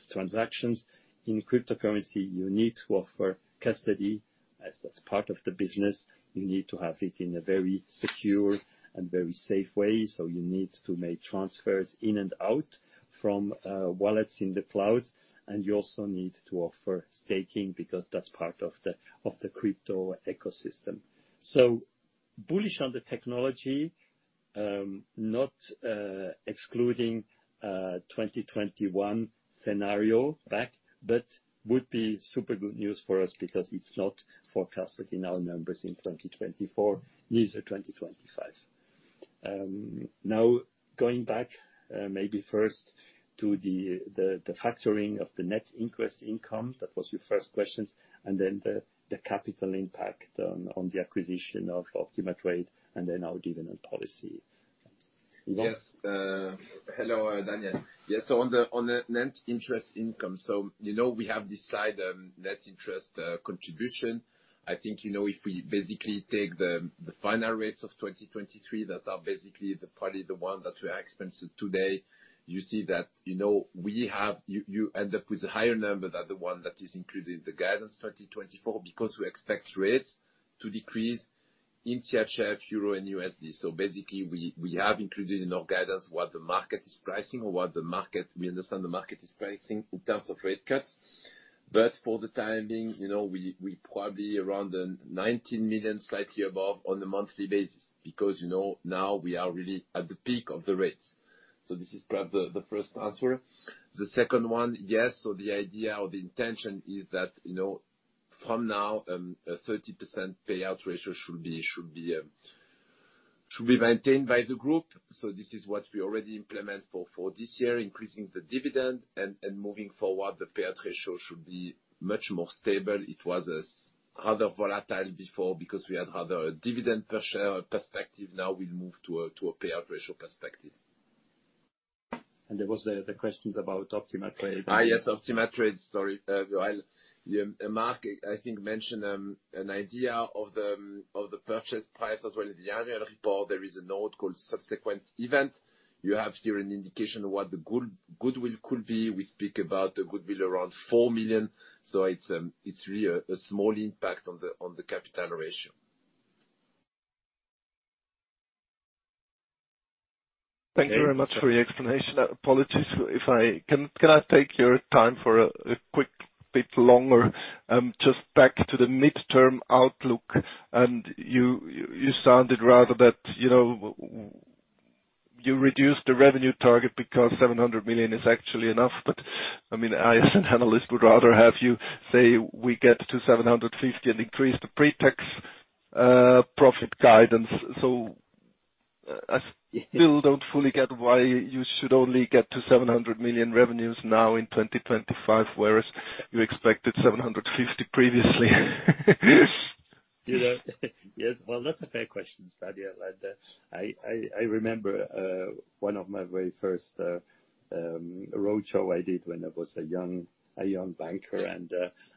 transactions. In cryptocurrency, you need to offer custody as that's part of the business. You need to have it in a very secure and very safe way, so you need to make transfers in and out from wallets in the cloud, and you also need to offer staking because that's part of the crypto ecosystem. So bullish on the technology, not excluding 2021 scenario back, but would be super good news for us because it's not forecasted in our numbers in 2024, neither 2025. Now, going back, maybe first to the factoring of the net interest income that was your first questions, and then the capital impact on the acquisition of Optimatrade and then our dividend policy. Yvan? Yes. Hello, Daniel. Yeah, so on the net interest income, so, you know, we have this side, net interest, contribution. I think, you know, if we basically take the final rates of 2023 that are basically probably the one that we are experiencing today, you see that, you know, we end up with a higher number than the one that is included in the guidance 2024 because we expect rates to decrease in CHF, EUR, and USD. So basically, we have included in our guidance what the market is pricing or what we understand the market is pricing in terms of rate cuts, but for the time being, you know, we probably around the 19 million, slightly above, on a monthly basis because, you know, now we are really at the peak of the rates. This is perhaps the first answer. The second one, yes, so the idea or the intention is that, you know, from now, a 30% payout ratio should be maintained by the group, so this is what we already implement for this year, increasing the dividend, and moving forward, the payout ratio should be much more stable. It was a rather volatile before because we had rather a dividend per share perspective. Now, we'll move to a payout ratio perspective. There were the questions about Optimatrade. Yes, Optimatrade. Sorry, Yvan. Marc, I think, mentioned an idea of the purchase price as well in the annual report. There is a note called subsequent event. You have here an indication of what the goodwill could be. We speak about the goodwill around 4 million, so it's really a small impact on the capital ratio. Thank you very much for your explanation. Apologies, if I can I take your time for a quick bit longer, just back to the midterm outlook, and you sounded rather that, you know, you reduced the revenue target because 700 million is actually enough, but, I mean, I, as an analyst, would rather have you say we get to 750 million and increase the pre-tax profit guidance, so I still don't fully get why you should only get to 700 million revenues now in 2025 whereas you expected 750 million previously. You know? Yes, well, that's a fair question, Daniel, and I remember one of my very first roadshow I did when I was a young banker, and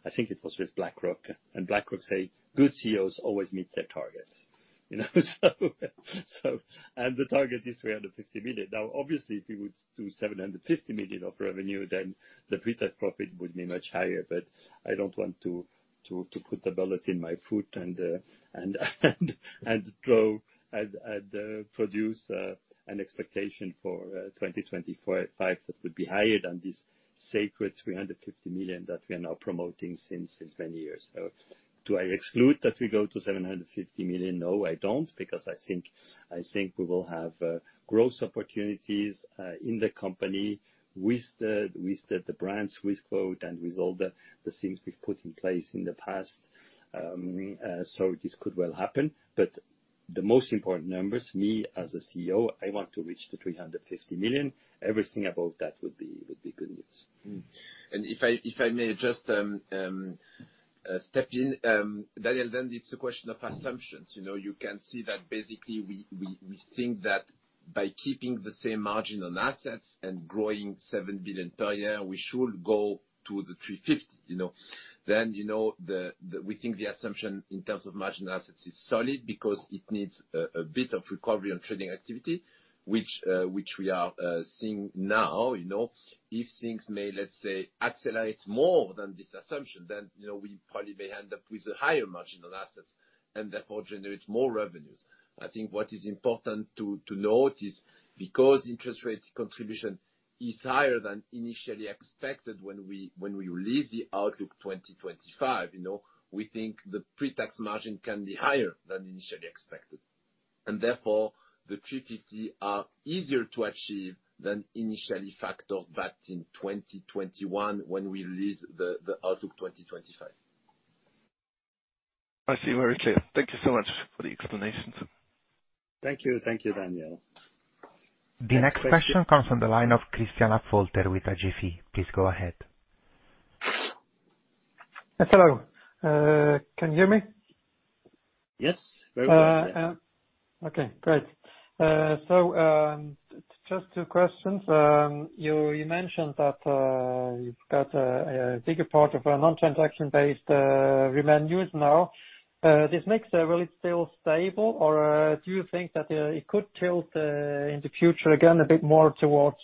I think it was with BlackRock, and BlackRock say, "Good CEOs always meet their targets," you know, so and the target is 350 million. Now, obviously, if we would do 750 million of revenue, then the pre-tax profit would be much higher, but I don't want to put the bullet in my foot and produce an expectation for 2025 that would be higher than this sacred 350 million that we are now promoting since many years. So do I exclude that we go to 750 million? No, I don't because I think we will have growth opportunities in the company with the Swissquote brand and with all the things we've put in place in the past, so this could well happen, but the most important numbers, me as a CEO, I want to reach the 350 million. Everything above that would be good news. If I may just step in, Daniel, then it's a question of assumptions. You know, you can see that basically, we think that by keeping the same margin on assets and growing 7 billion per year, we should go to the 350, you know? Then, you know, we think the assumption in terms of margin assets is solid because it needs a bit of recovery on trading activity, which we are seeing now, you know? If things may, let's say, accelerate more than this assumption, then, you know, we probably may end up with a higher margin on assets and therefore generate more revenues. I think what is important to note is because interest rate contribution is higher than initially expected when we release the outlook 2025, you know, we think the pre-tax margin can be higher than initially expected, and therefore, the 350 are easier to achieve than initially factored back in 2021 when we release the out look 2025. I see very clear. Thank you so much for the explanations. Thank you. Thank you, Daniel. The next question comes from the line of Christian Affolter with Agefi. Please go ahead. Hello. Can you hear me? Yes, very well, yes. Okay, great. So, just two questions. You mentioned that you've got a bigger part of non-transaction-based revenues now. This makes, will it still stable, or do you think that it could tilt in the future again a bit more towards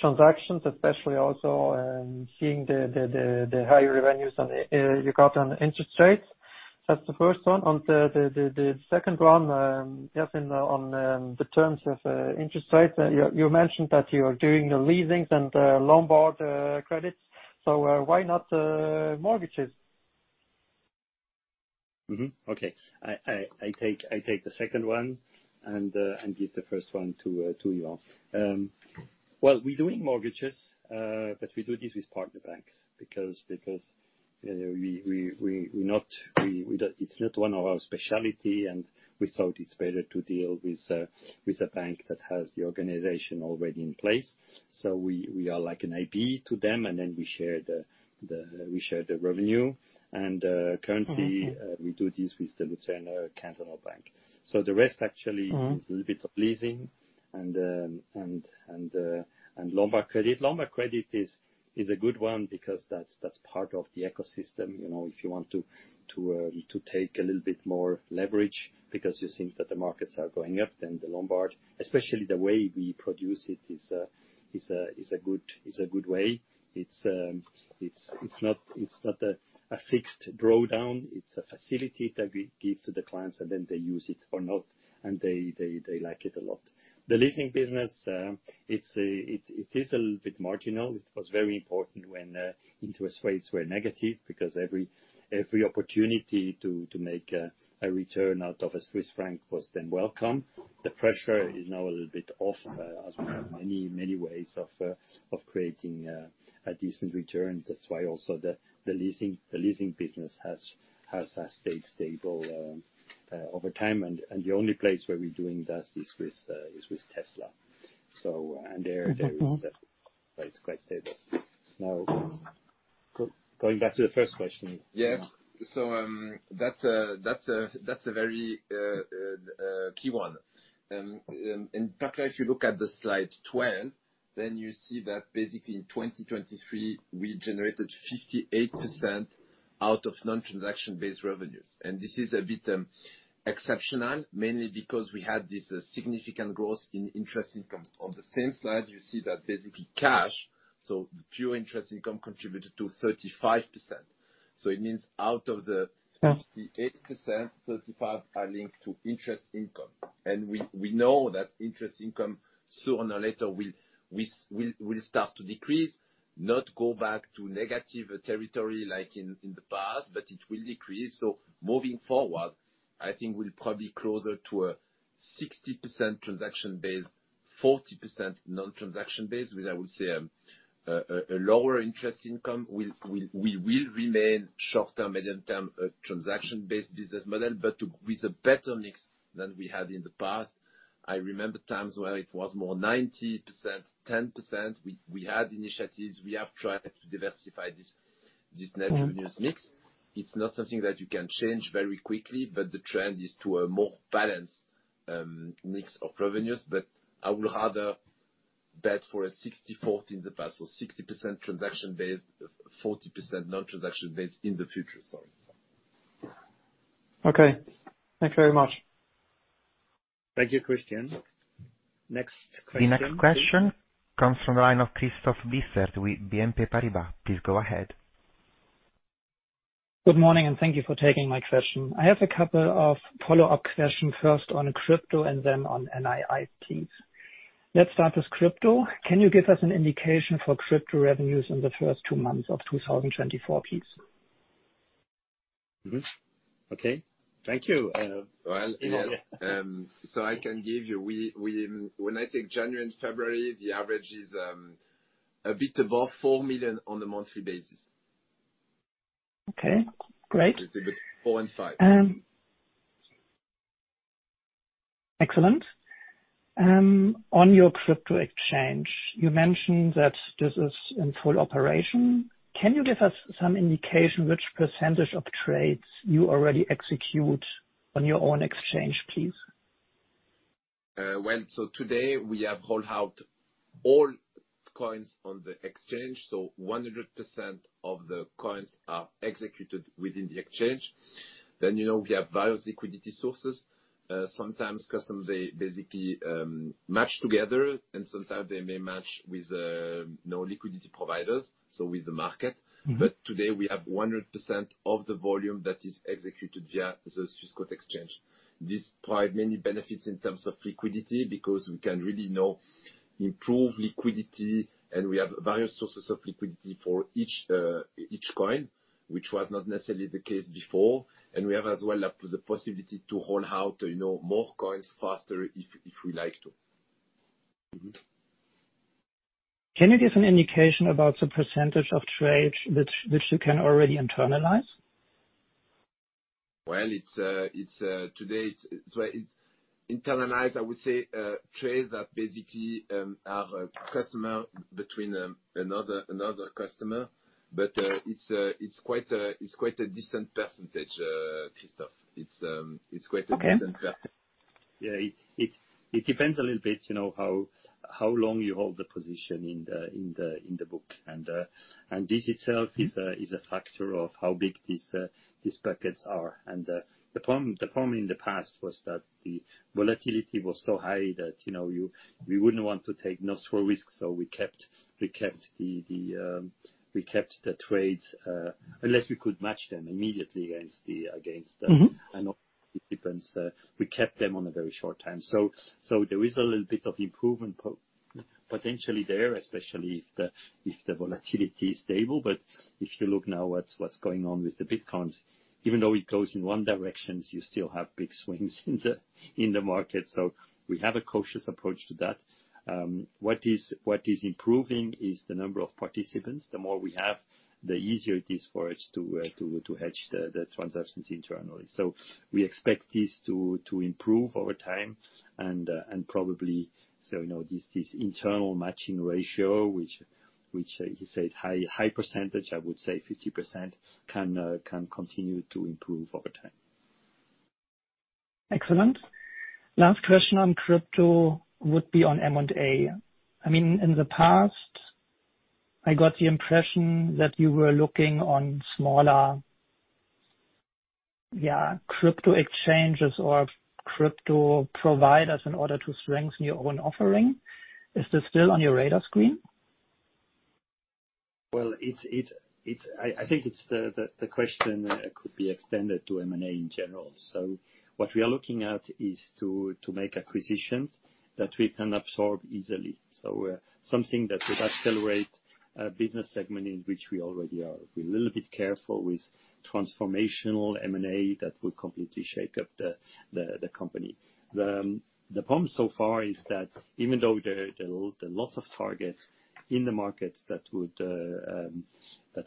transactions, especially also seeing the higher revenues on the you got on interest rates? That's the first one. On the second one, yes, in the terms of interest rates, you mentioned that you're doing the leasings and Lombard loans, credits, so why not mortgages? Mm-hmm. Okay. I take the second one and give the first one to Yvan. Well, we're doing mortgages, but we do this with partner banks because, you know, we're not; it's not one of our specialities, and we thought it's better to deal with a bank that has the organization already in place, so we are like an IP to them, and then we share the revenue, and currently, we do this with the Luzerner Kantonalbank. So the rest actually is a little bit of leasing and Lombard credit. Lombard credit is a good one because that's part of the ecosystem, you know, if you want to take a little bit more leverage because you think that the markets are going up, then the Lombard, especially the way we produce it, is a good way. It's not a fixed drawdown. It's a facility that we give to the clients, and then they use it or not, and they like it a lot. The leasing business, it is a little bit marginal. It was very important when interest rates were negative because every opportunity to make a return out of a Swiss franc was then welcome. The pressure is now a little bit off, as we have many ways of creating a decent return. That's why also the leasing business has stayed stable over time, and the only place where we're doing that is with Tesla, so and there it is quite stable. Now, going back to the first question, Yvan. Yes. So, that's a very key one. In particular, if you look at the slide 12, then you see that basically, in 2023, we generated 58% out of non-transaction-based revenues, and this is a bit exceptional, mainly because we had this significant growth in interest income. On the same slide, you see that basically, cash, so the pure interest income, contributed to 35%, so it means out of the 58%, 35% are linked to interest income, and we know that interest income, sooner or later, will start to decrease, not go back to negative territory like in the past, but it will decrease. So moving forward, I think we'll probably closer to a 60% transaction-based, 40% non-transaction-based, which I would say, a lower interest income. We will remain short-term, medium-term, transaction-based business model, but with a better mix than we had in the past. I remember times where it was more 90%, 10%. We had initiatives. We have tried to diversify this net revenues mix. It's not something that you can change very quickly, but the trend is to a more balanced mix of revenues, but I will rather bet for a 60/40 in the past, so 60% transaction-based, 40% non-transaction-based in the future, sorry. Okay. Thank you very much. Thank you, Christian. Next question, please. The next question comes from the line of Christoph Blieffert with Exane BNP Paribas. Please go ahead. Good morning, and thank you for taking my question. I have a couple of follow-up questions, first on crypto and then on NII, please. Let's start with crypto. Can you give us an indication for crypto revenues in the first two months of 2024, please? Mm-hmm. Okay. Thank you, Yvan. So I can give you, when I take January and February, the average is a bit above 4 million on a monthly basis. Okay. Great. It's a bit 4-5. Excellent. On your crypto exchange, you mentioned that this is in full operation. Can you give us some indication which percentage of trades you already execute on your own exchange, please? Well, so today, we have loaded all coins on the exchange, so 100% of the coins are executed within the exchange. Then, you know, we have various liquidity sources. Sometimes, customers, they basically match together, and sometimes, they may match with, you know, liquidity providers, so with the market, but today, we have 100% of the volume that is executed via the Swissquote exchange. This provides many benefits in terms of liquidity because we can really, you know, improve liquidity, and we have various sources of liquidity for each coin, which was not necessarily the case before, and we have as well the possibility to hold out, you know, more coins faster if we like to. Mm-hmm. Can you give an indication about the percentage of trades which you can already internalize? Well, it's today it's where it's internalized, I would say, trades that basically are between a customer and another customer, but it's quite a decent percentage, Christoph. It's quite a decent percentage. Okay. Yeah. It depends a little bit, you know, how long you hold the position in the book, and this itself is a factor of how big these pockets are, and the problem in the past was that the volatility was so high that, you know, we wouldn't want to take no small risk, so we kept the trades, unless we could match them immediately against the Mm-hmm. and all the participants, we kept them on a very short time. So there is a little bit of improvement potentially there, especially if the volatility is stable, but if you look now at what's going on with the Bitcoins, even though it goes in one direction, you still have big swings in the market, so we have a cautious approach to that. What is improving is the number of participants. The more we have, the easier it is for us to hedge the transactions internally, so we expect this to improve over time and probably so, you know, this internal matching ratio, which, he said, high percentage, I would say 50%, can continue to improve over time. Excellent. Last question on crypto would be on M&A. I mean, in the past, I got the impression that you were looking on smaller, yeah, crypto exchanges or crypto providers in order to strengthen your own offering. Is this still on your radar screen? Well, it's I think it's the question, could be extended to M&A in general. So what we are looking at is to make acquisitions that we can absorb easily, so, something that would accelerate, business segment in which we already are. We're a little bit careful with transformational M&A that would completely shake up the company. The problem so far is that even though there are lots of targets in the market that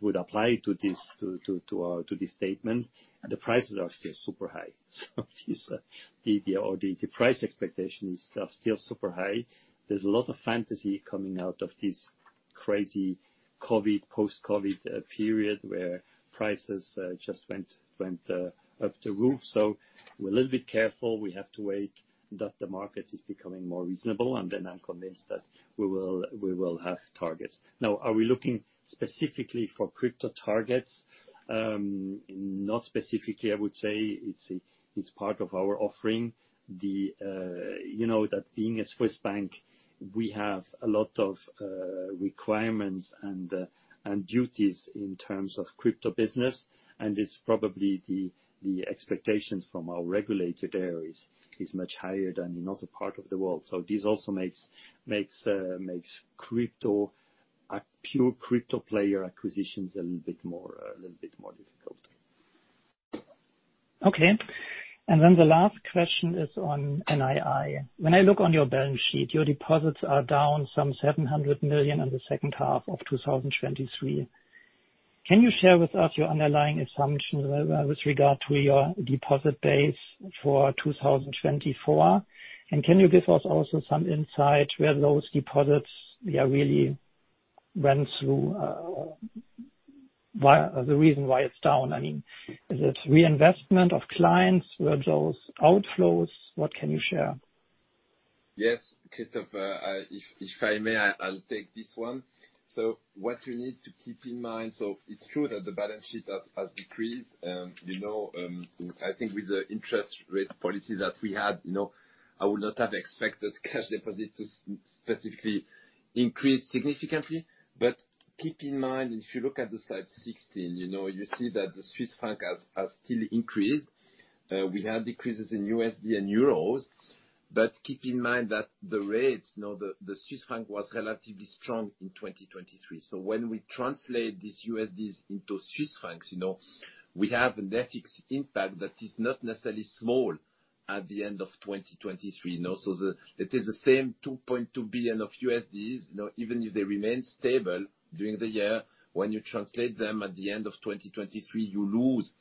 would apply to this, to our, to this statement, the prices are still super high, so the price expectation is still super high. There's a lot of fantasy coming out of this crazy COVID post-COVID period where prices just went up the roof, so we're a little bit careful. We have to wait that the market is becoming more reasonable, and then I'm convinced that we will have targets. Now, are we looking specifically for crypto targets? Not specifically, I would say. It's a part of our offering. You know, that being a Swiss bank, we have a lot of requirements and duties in terms of crypto business, and it's probably the expectations from our regulator there is much higher than in other part of the world, so this also makes crypto a pure crypto player acquisitions a little bit more difficult. Okay. And then the last question is on NII. When I look on your balance sheet, your deposits are down some 700 million in the second half of 2023. Can you share with us your underlying assumptions with regard to your deposit base for 2024, and can you give us also some insight where those deposits really went through, why the reason why it's down? I mean, is it reinvestment of clients versus outflows? What can you share? Yes, Christoph. If I may, I'll take this one. So what you need to keep in mind so it's true that the balance sheet has decreased, you know, I think with the interest rate policy that we had, you know, I would not have expected cash deposit to specifically increase significantly, but keep in mind if you look at the slide 16, you know, you see that the Swiss franc has still increased. We had decreases in USD and euros, but keep in mind that the rates, you know, the Swiss franc was relatively strong in 2023, so when we translate these USDs into Swiss francs, you know, we have an FX impact that is not necessarily small at the end of 2023, you know, so it is the same $2.2 billion, you know, even if they remain stable during the year, when you translate them at the end of 2023, you lose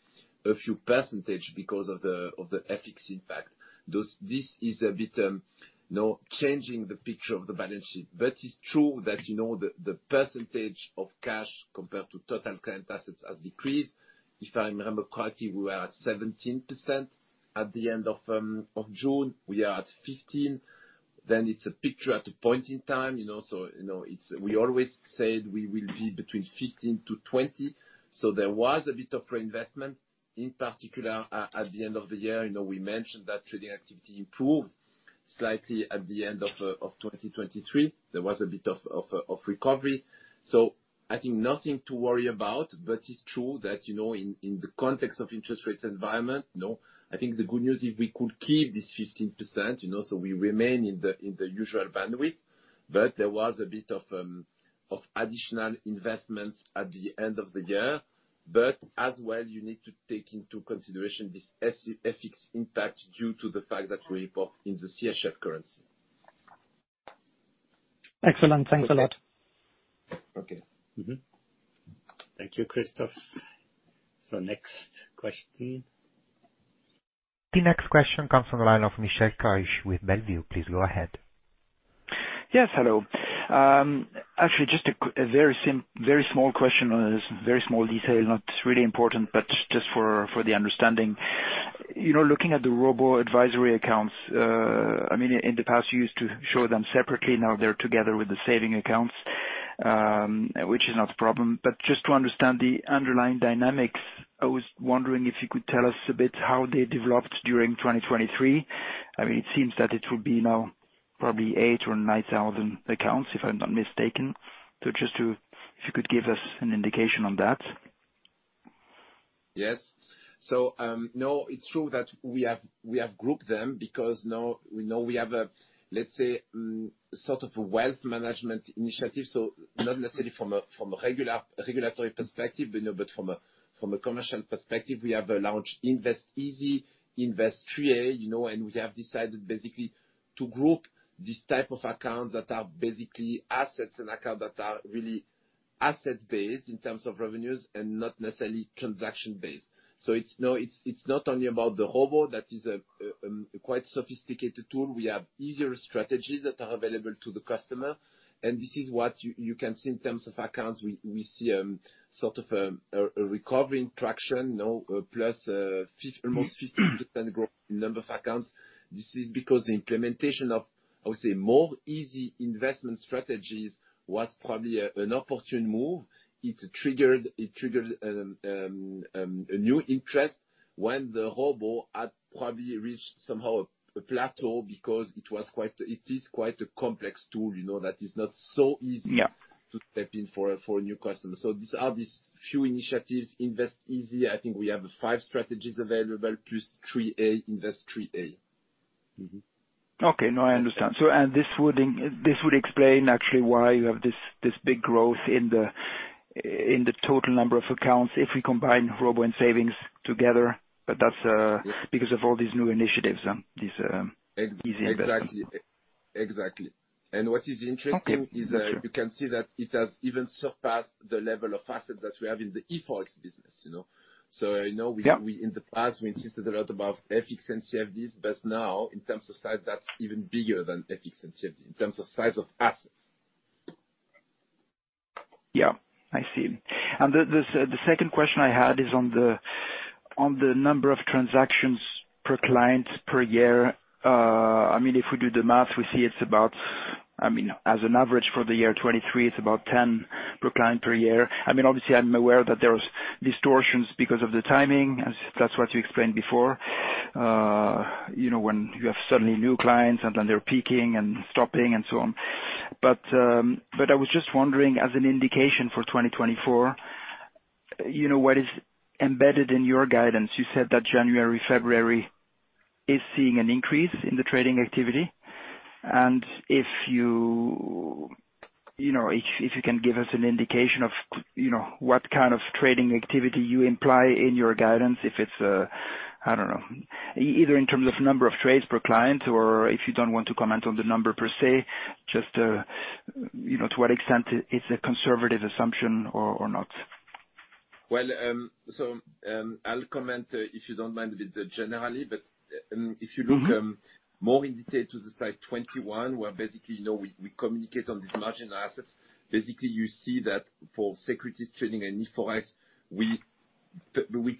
a few percentage because of the FX impact. So this is a bit, you know, changing the picture of the balance sheet, but it's true that, you know, the percentage of cash compared to total current assets has decreased. If I remember correctly, we were at 17% at the end of June. We are at 15%. Then it's a picture at a point in time, you know, so, you know, it's we always said we will be between 15%-20%, so there was a bit of reinvestment in particular at the end of the year. You know, we mentioned that trading activity improved slightly at the end of 2023. There was a bit of recovery, so I think nothing to worry about, but it's true that, you know, in the context of interest rates environment, you know, I think the good news is we could keep this 15%, you know, so we remain in the usual bandwidth, but there was a bit of additional investments at the end of the year, but as well, you need to take into consideration this FX impact due to the fact that we report in the CHF currency. Excellent. Thanks a lot. Okay. Mm-hmm. Thank you, Christophe. So next question. The next question comes from the line of Michel Keusch with Bellevue. Please go ahead. Yes. Hello. Actually, just a very simple very small question on this very small detail, not really important, but just for the understanding. You know, looking at the robo-advisory accounts, I mean, in the past, you used to show them separately. Now, they're together with the savings accounts, which is not a problem, but just to understand the underlying dynamics, I was wondering if you could tell us a bit how they developed during 2023. I mean, it seems that it would be now probably 8 or 9,000 accounts, if I'm not mistaken, so just to if you could give us an indication on that. Yes. So, no, it's true that we have grouped them because, you know, we have a, let's say, sort of a wealth management initiative, so not necessarily from a regular regulatory perspective, but, you know, from a commercial perspective, we have launched Invest Easy, Invest 3a, you know, and we have decided basically to group these type of accounts that are basically assets and accounts that are really asset-based in terms of revenues and not necessarily transaction-based. So it's no, it's not only about the robo. That is a quite sophisticated tool. We have easier strategies that are available to the customer, and this is what you can see in terms of accounts. We see, sort of a recovering traction, you know, plus almost 50% growth in number of accounts. This is because the implementation of, I would say, more easy investment strategies was probably an opportune move. It triggered a new interest when the robo had probably reached somehow a plateau because it is quite a complex tool, you know, that is not so easy to step in for a new customer. So these are these few initiatives. Invest Easy, I think we have five strategies available plus 3A, Invest 3a. Mm-hmm. Okay. No, I understand. So this would explain, actually, why you have this big growth in the total number of accounts if we combine robo and savings together, but that's because of all these new initiatives and these. Exactly. Easy investments. Exactly. Exactly. What is interesting is, you can see that it has even surpassed the level of assets that we have in the eForex business, you know, so, you know, we in the past, we insisted a lot about ETFs and CFDs, but now, in terms of size, that's even bigger than ETFs and CFDs in terms of size of assets. Yeah. I see. And the second question I had is on the number of transactions per client per year. I mean, if we do the math, we see it's about I mean, as an average for the year 2023, it's about 10 per client per year. I mean, obviously, I'm aware that there's distortions because of the timing, as that's what you explained before, you know, when you have suddenly new clients, and then they're peaking and stopping and so on, but I was just wondering, as an indication for 2024, you know, what is embedded in your guidance? You said that January, February is seeing an increase in the trading activity, and if you know, if you can give us an indication of, you know, what kind of trading activity you imply in your guidance, if it's, I don't know either in terms of number of trades per client or if you don't want to comment on the number per se, just, you know, to what extent it's a conservative assumption or not. Well, so, I'll comment, if you don't mind, a bit generally, but if you look more indicated to slide 21, where basically, you know, we communicate on these marginal assets. Basically, you see that for securities trading and eForex, we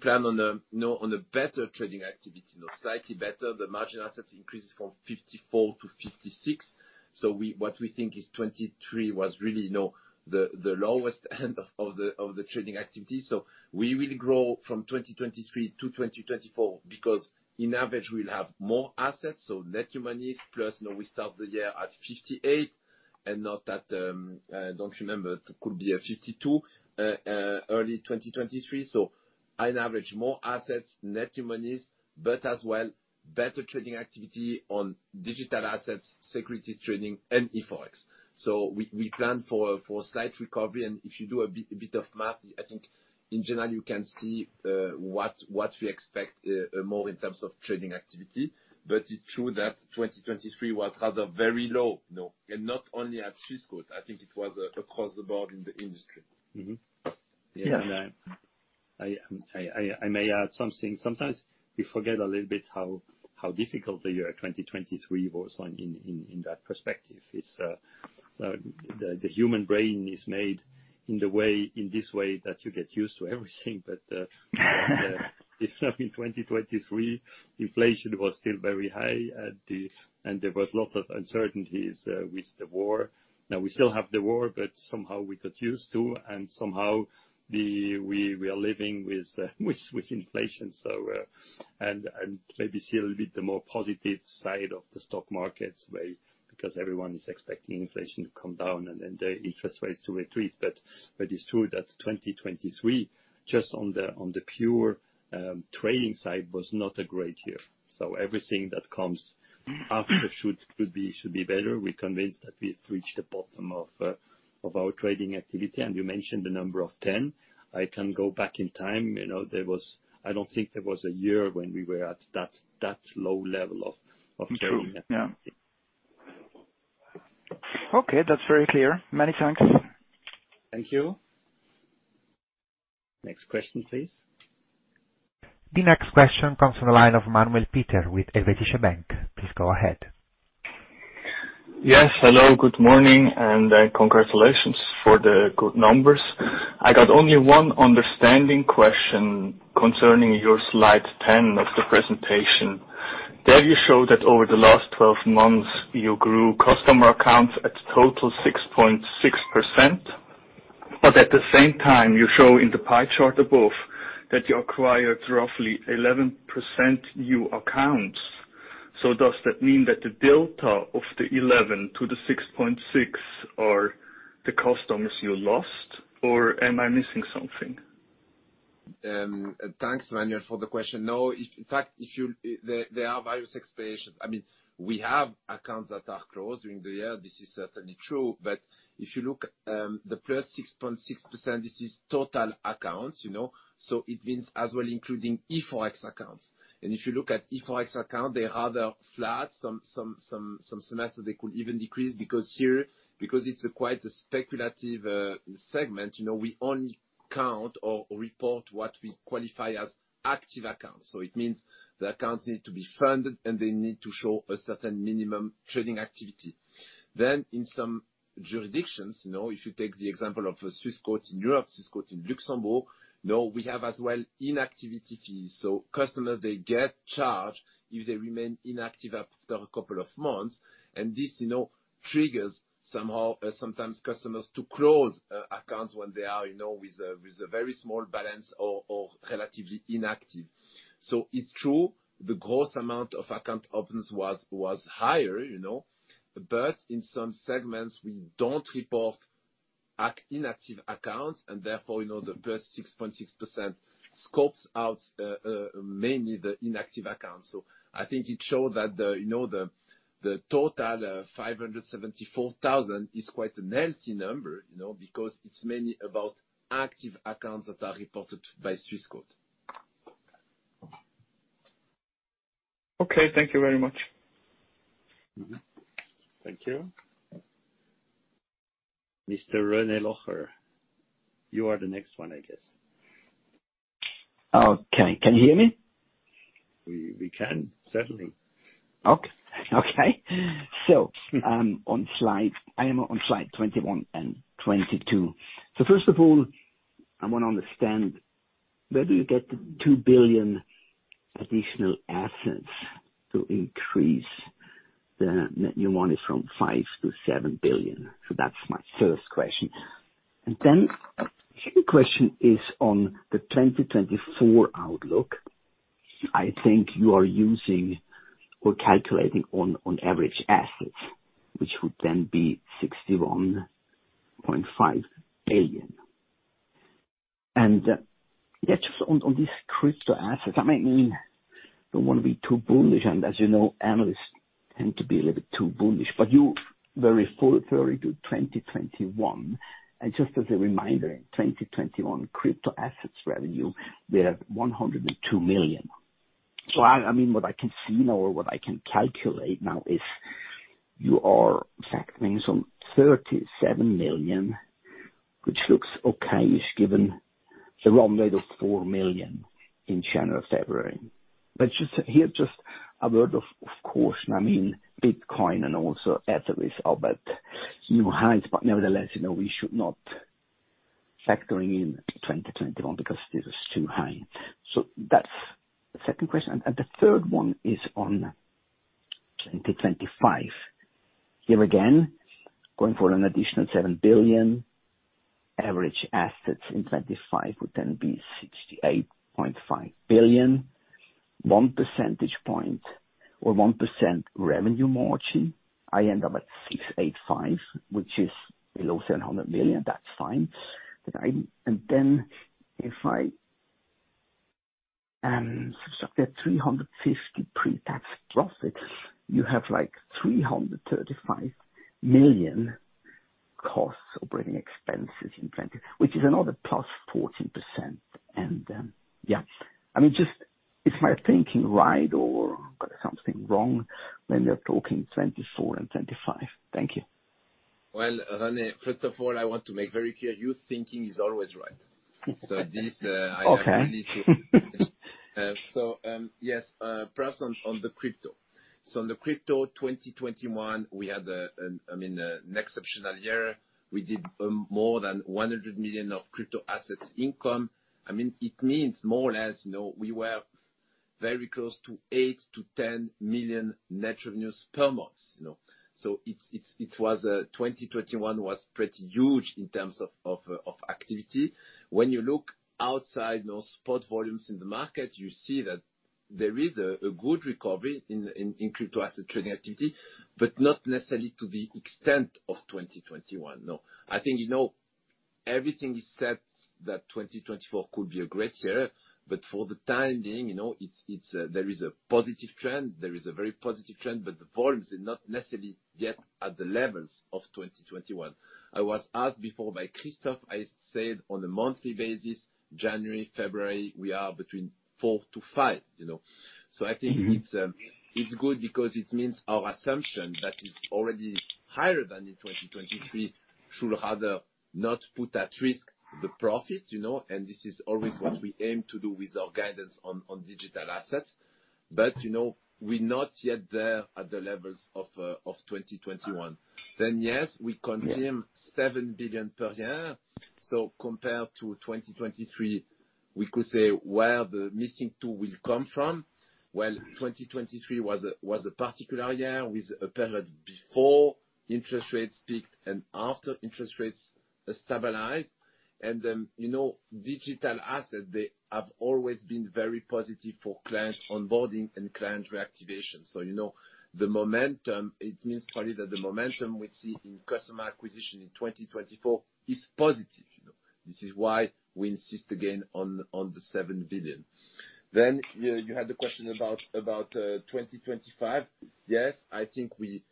plan on a, you know, on a better trading activity, you know, slightly better. The marginal assets increased from 54% to 56%, so what we think is 2023 was really, you know, the lowest end of the trading activity, so we will grow from 2023 to 2024 because, on average, we'll have more assets, so net new money plus, you know, we start the year at 58% and not at, I don't remember. It could be a 52% early 2023, so on average, more assets, net new money, but as well, better trading activity on digital assets, securities trading, and eForex, so we plan for a slight recovery, and if you do a bit of math, I think, in general, you can see what we expect, more in terms of trading activity, but it's true that 2023 was rather very low, you know, and not only at Swissquote. I think it was across the board in the industry. Mm-hmm. Yes. And I may add something. Sometimes, we forget a little bit how difficult the year 2023 was in that perspective. It's so the human brain is made in the way, in this way, that you get used to everything, but in 2023, inflation was still very high, and there was lots of uncertainties with the war. Now, we still have the war, but somehow we got used to, and somehow we are living with inflation, so, and maybe see a little bit the more positive side of the stock market anyway because everyone is expecting inflation to come down and then the interest rates to retreat, but it's true that 2023, just on the pure trading side, was not a great year, so everything that comes after should be better. We're convinced that we've reached the bottom of our trading activity, and you mentioned the number of 10. I can go back in time. You know, there was. I don't think there was a year when we were at that low level of trading. True. Yeah. Okay. That's very clear. Many thanks. Thank you. Next question, please. The next question comes from the line of Manuel Peter with Helvetische Bank. Please go ahead. Yes. Hello. Good morning, and congratulations for the good numbers. I got only one understanding question concerning your slide 10 of the presentation. There you show that over the last 12 months, you grew customer accounts at a total of 6.6%, but at the same time, you show in the pie chart above that you acquired roughly 11% new accounts. So does that mean that the delta of the 11% to the 6.6% are the customers you lost, or am I missing something? Thanks, Manuel, for the question. No, if in fact, if you look, there are various explanations. I mean, we have accounts that are closed during the year. This is certainly true, but if you look, the plus 6.6%, this is total accounts, you know, so it means as well including eForex accounts, and if you look at eForex accounts, they're rather flat. Some semesters, they could even decrease because it's a quite speculative segment, you know, we only count or report what we qualify as active accounts, so it means the accounts need to be funded, and they need to show a certain minimum trading activity. Then in some jurisdictions, you know, if you take the example of Swissquote in Europe, Swissquote in Luxembourg, you know, we have as well inactivity fees, so customers, they get charged if they remain inactive after a couple of months, and this, you know, triggers somehow sometimes customers to close accounts when they are, you know, with a very small balance or relatively inactive. So it's true the gross amount of account opens was higher, you know, but in some segments, we don't report inactive accounts, and therefore, you know, the plus 6.6% scopes out, mainly the inactive accounts, so I think it showed that the, you know, the total, 574,000 is quite a healthy number, you know, because it's mainly about active accounts that are reported by Swissquote. Okay. Thank you very much. Mm-hmm. Thank you. Mr. René Locher, you are the next one, I guess. Okay. Can you hear me? We can, certainly. Okay. Okay. So, I'm on slide 21 and 22. So first of all, I want to understand, where do you get the 2 billion additional assets to increase the net new money from 5 billion to 7 billion? So that's my first question. And then the second question is on the 2024 outlook. I think you are using or calculating on average assets, which would then be 61.5 billion. And, yeah, just on these crypto assets, I mean, don't want to be too bullish, and as you know, analysts tend to be a little bit too bullish, but you. Very full 30 to 2021, and just as a reminder, in 2021, crypto assets revenue, we had 102 million. So, I mean, what I can see now or what I can calculate now is you are in fact some 37 million, which looks okayish given the run rate of 4 million in January, February, but just here, just a word of caution. I mean, Bitcoin and also Ethereum are about new highs, but nevertheless, you know, we should not factor in 2021 because this is too high. So that's the second question, and the third one is on 2025. Here again, going for an additional 7 billion, average assets in 2025 would then be 68.5 billion. One percentage point or 1% revenue margin, I end up at 685 million, which is below 700 million. That's fine. And then if I subtract that 350 million pre-tax profit, you have, like, 335 million costs operating expenses in 2020, which is another +14%, and, yeah. I mean, is my thinking right, or got something wrong when we're talking 2024 and 2025? Thank you. Well, René, first of all, I want to make very clear, your thinking is always right, so this, I have really to say, yes, perhaps on the crypto. So on the crypto, 2021, we had an exceptional year. I mean, we did more than 100 million of crypto assets income. I mean, it means more or less, you know, we were very close to 8 million-10 million net revenues per month, you know, so it was; 2021 was pretty huge in terms of activity. When you look outside, you know, spot volumes in the market, you see that there is a good recovery in crypto asset trading activity, but not necessarily to the extent of 2021, no. I think, you know, everything is set that 2024 could be a great year, but for the time being, you know, it's, there is a positive trend. There is a very positive trend, but the volumes are not necessarily yet at the levels of 2021. I was asked before by Christoph. I said on a monthly basis, January, February, we are between 4 billion-5 billion, you know, so I think it's good because it means our assumption that is already higher than in 2023 should rather not put at risk the profits, you know, and this is always what we aim to do with our guidance on digital assets, but, you know, we're not yet there at the levels of 2021. Then yes, we confirm 7 billion per year, so compared to 2023, we could say where the missing 2 billion will come from. Well, 2023 was a particular year with a period before interest rates peaked and after interest rates stabilized, and, you know, digital assets, they have always been very positive for client onboarding and client reactivation, so, you know, the momentum it means probably that the momentum we see in customer acquisition in 2024 is positive, you know. This is why we insist again on the 7 billion. Then you had the question about 2025. Yes, I think we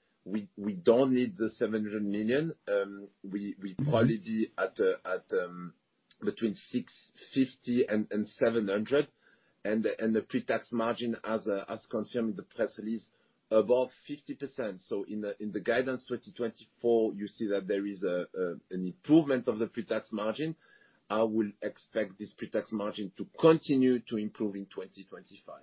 don't need the 700 million. We probably be at between 650 and 700, and the pre-tax margin, as confirmed in the press release, above 50%, so in the guidance 2024, you see that there is an improvement of the pre-tax margin. I will expect this pre-tax margin to continue to improve in 2025,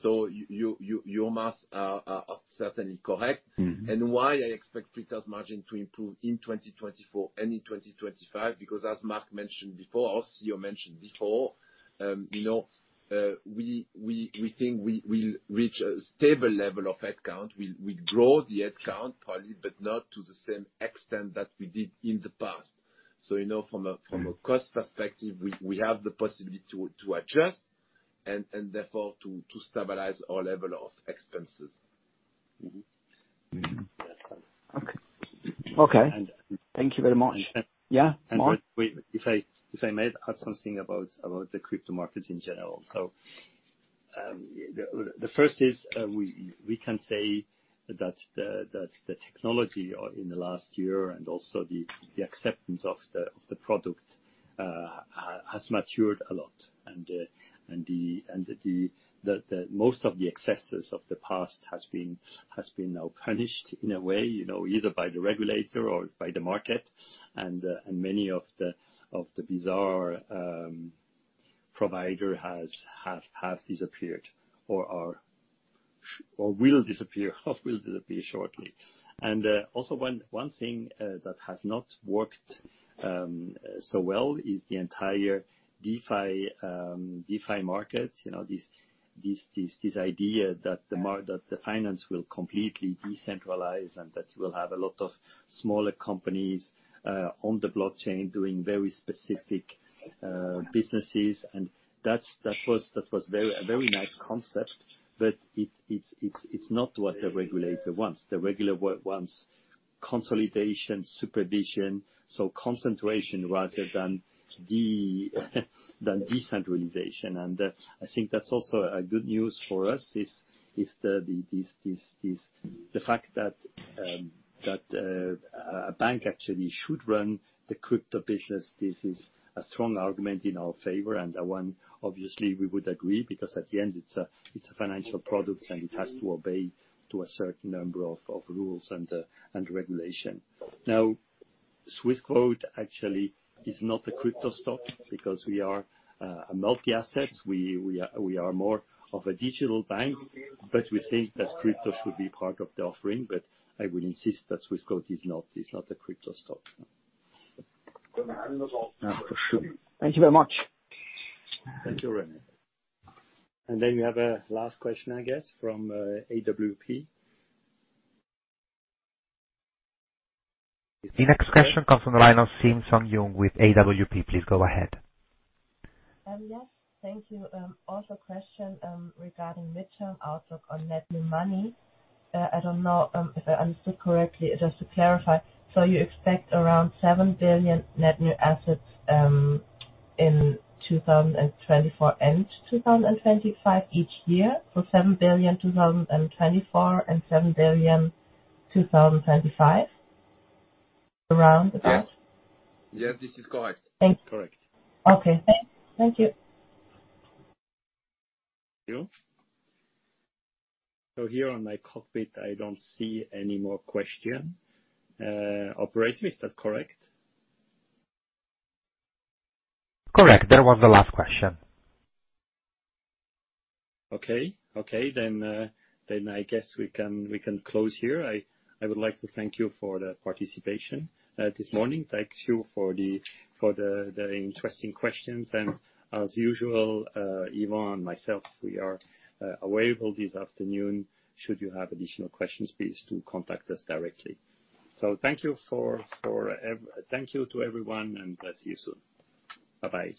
so your math is certainly correct. And why I expect pre-tax margin to improve in 2024 and in 2025? Because as Marc mentioned before, our CEO mentioned before, you know, we think we will reach a stable level of headcount. We'll grow the headcount probably, but not to the same extent that we did in the past, so, you know, from a cost perspective, we have the possibility to adjust and therefore to stabilize our level of expenses. Mm-hmm. Mm-hmm. Yes, sir. Okay. Okay. And thank you very much. Yeah. Mark. And if I may add something about the crypto markets in general, so the first is, we can say that the technology in the last year and also the acceptance of the product has matured a lot, and the most of the excesses of the past has been now punished in a way, you know, either by the regulator or by the market, and many of the bizarre providers have disappeared or will disappear shortly, and also, one thing that has not worked so well is the entire DeFi market, you know, this idea that the finance will completely decentralize and that you will have a lot of smaller companies on the blockchain doing very specific businesses, and that was a very nice concept, but it's not what the regulator wants. The regulator wants consolidation, supervision, so concentration rather than decentralization, and I think that's also good news for us, the fact that a bank actually should run the crypto business. This is a strong argument in our favor, and that one, obviously, we would agree because at the end, it's a financial product, and it has to obey a certain number of rules and regulation. Now, Swissquote actually is not a crypto stock because we are a multi-assets. We are more of a digital bank, but we think that crypto should be part of the offering, but I would insist that Swissquote is not a crypto stock. Thank you very much. Thank you, René. And then we have a last question, I guess, from AWP. The next question comes from the line of Simpson Jung with AWP. Please go ahead. Yes. Thank you. Also a question regarding midterm outlook on net new money. I don't know if I understood correctly. Just to clarify, so you expect around 7 billion net new assets in 2024 and 2025 each year, so 7 billion 2024 and 7 billion 2025, around about? Yes. Yes, this is correct. Thank you. Correct. Okay. Thank you. Thank you. So here on my cockpit, I don't see any more question. Operator, is that correct? Correct. That was the last question. Okay. Okay. Then I guess we can close here. I would like to thank you for the participation this morning. Thank you for the interesting questions, and as usual, Yvan and myself, we are available this afternoon. Should you have additional questions, please do contact us directly. So thank you, thank you to everyone, and see you soon. Bye-bye.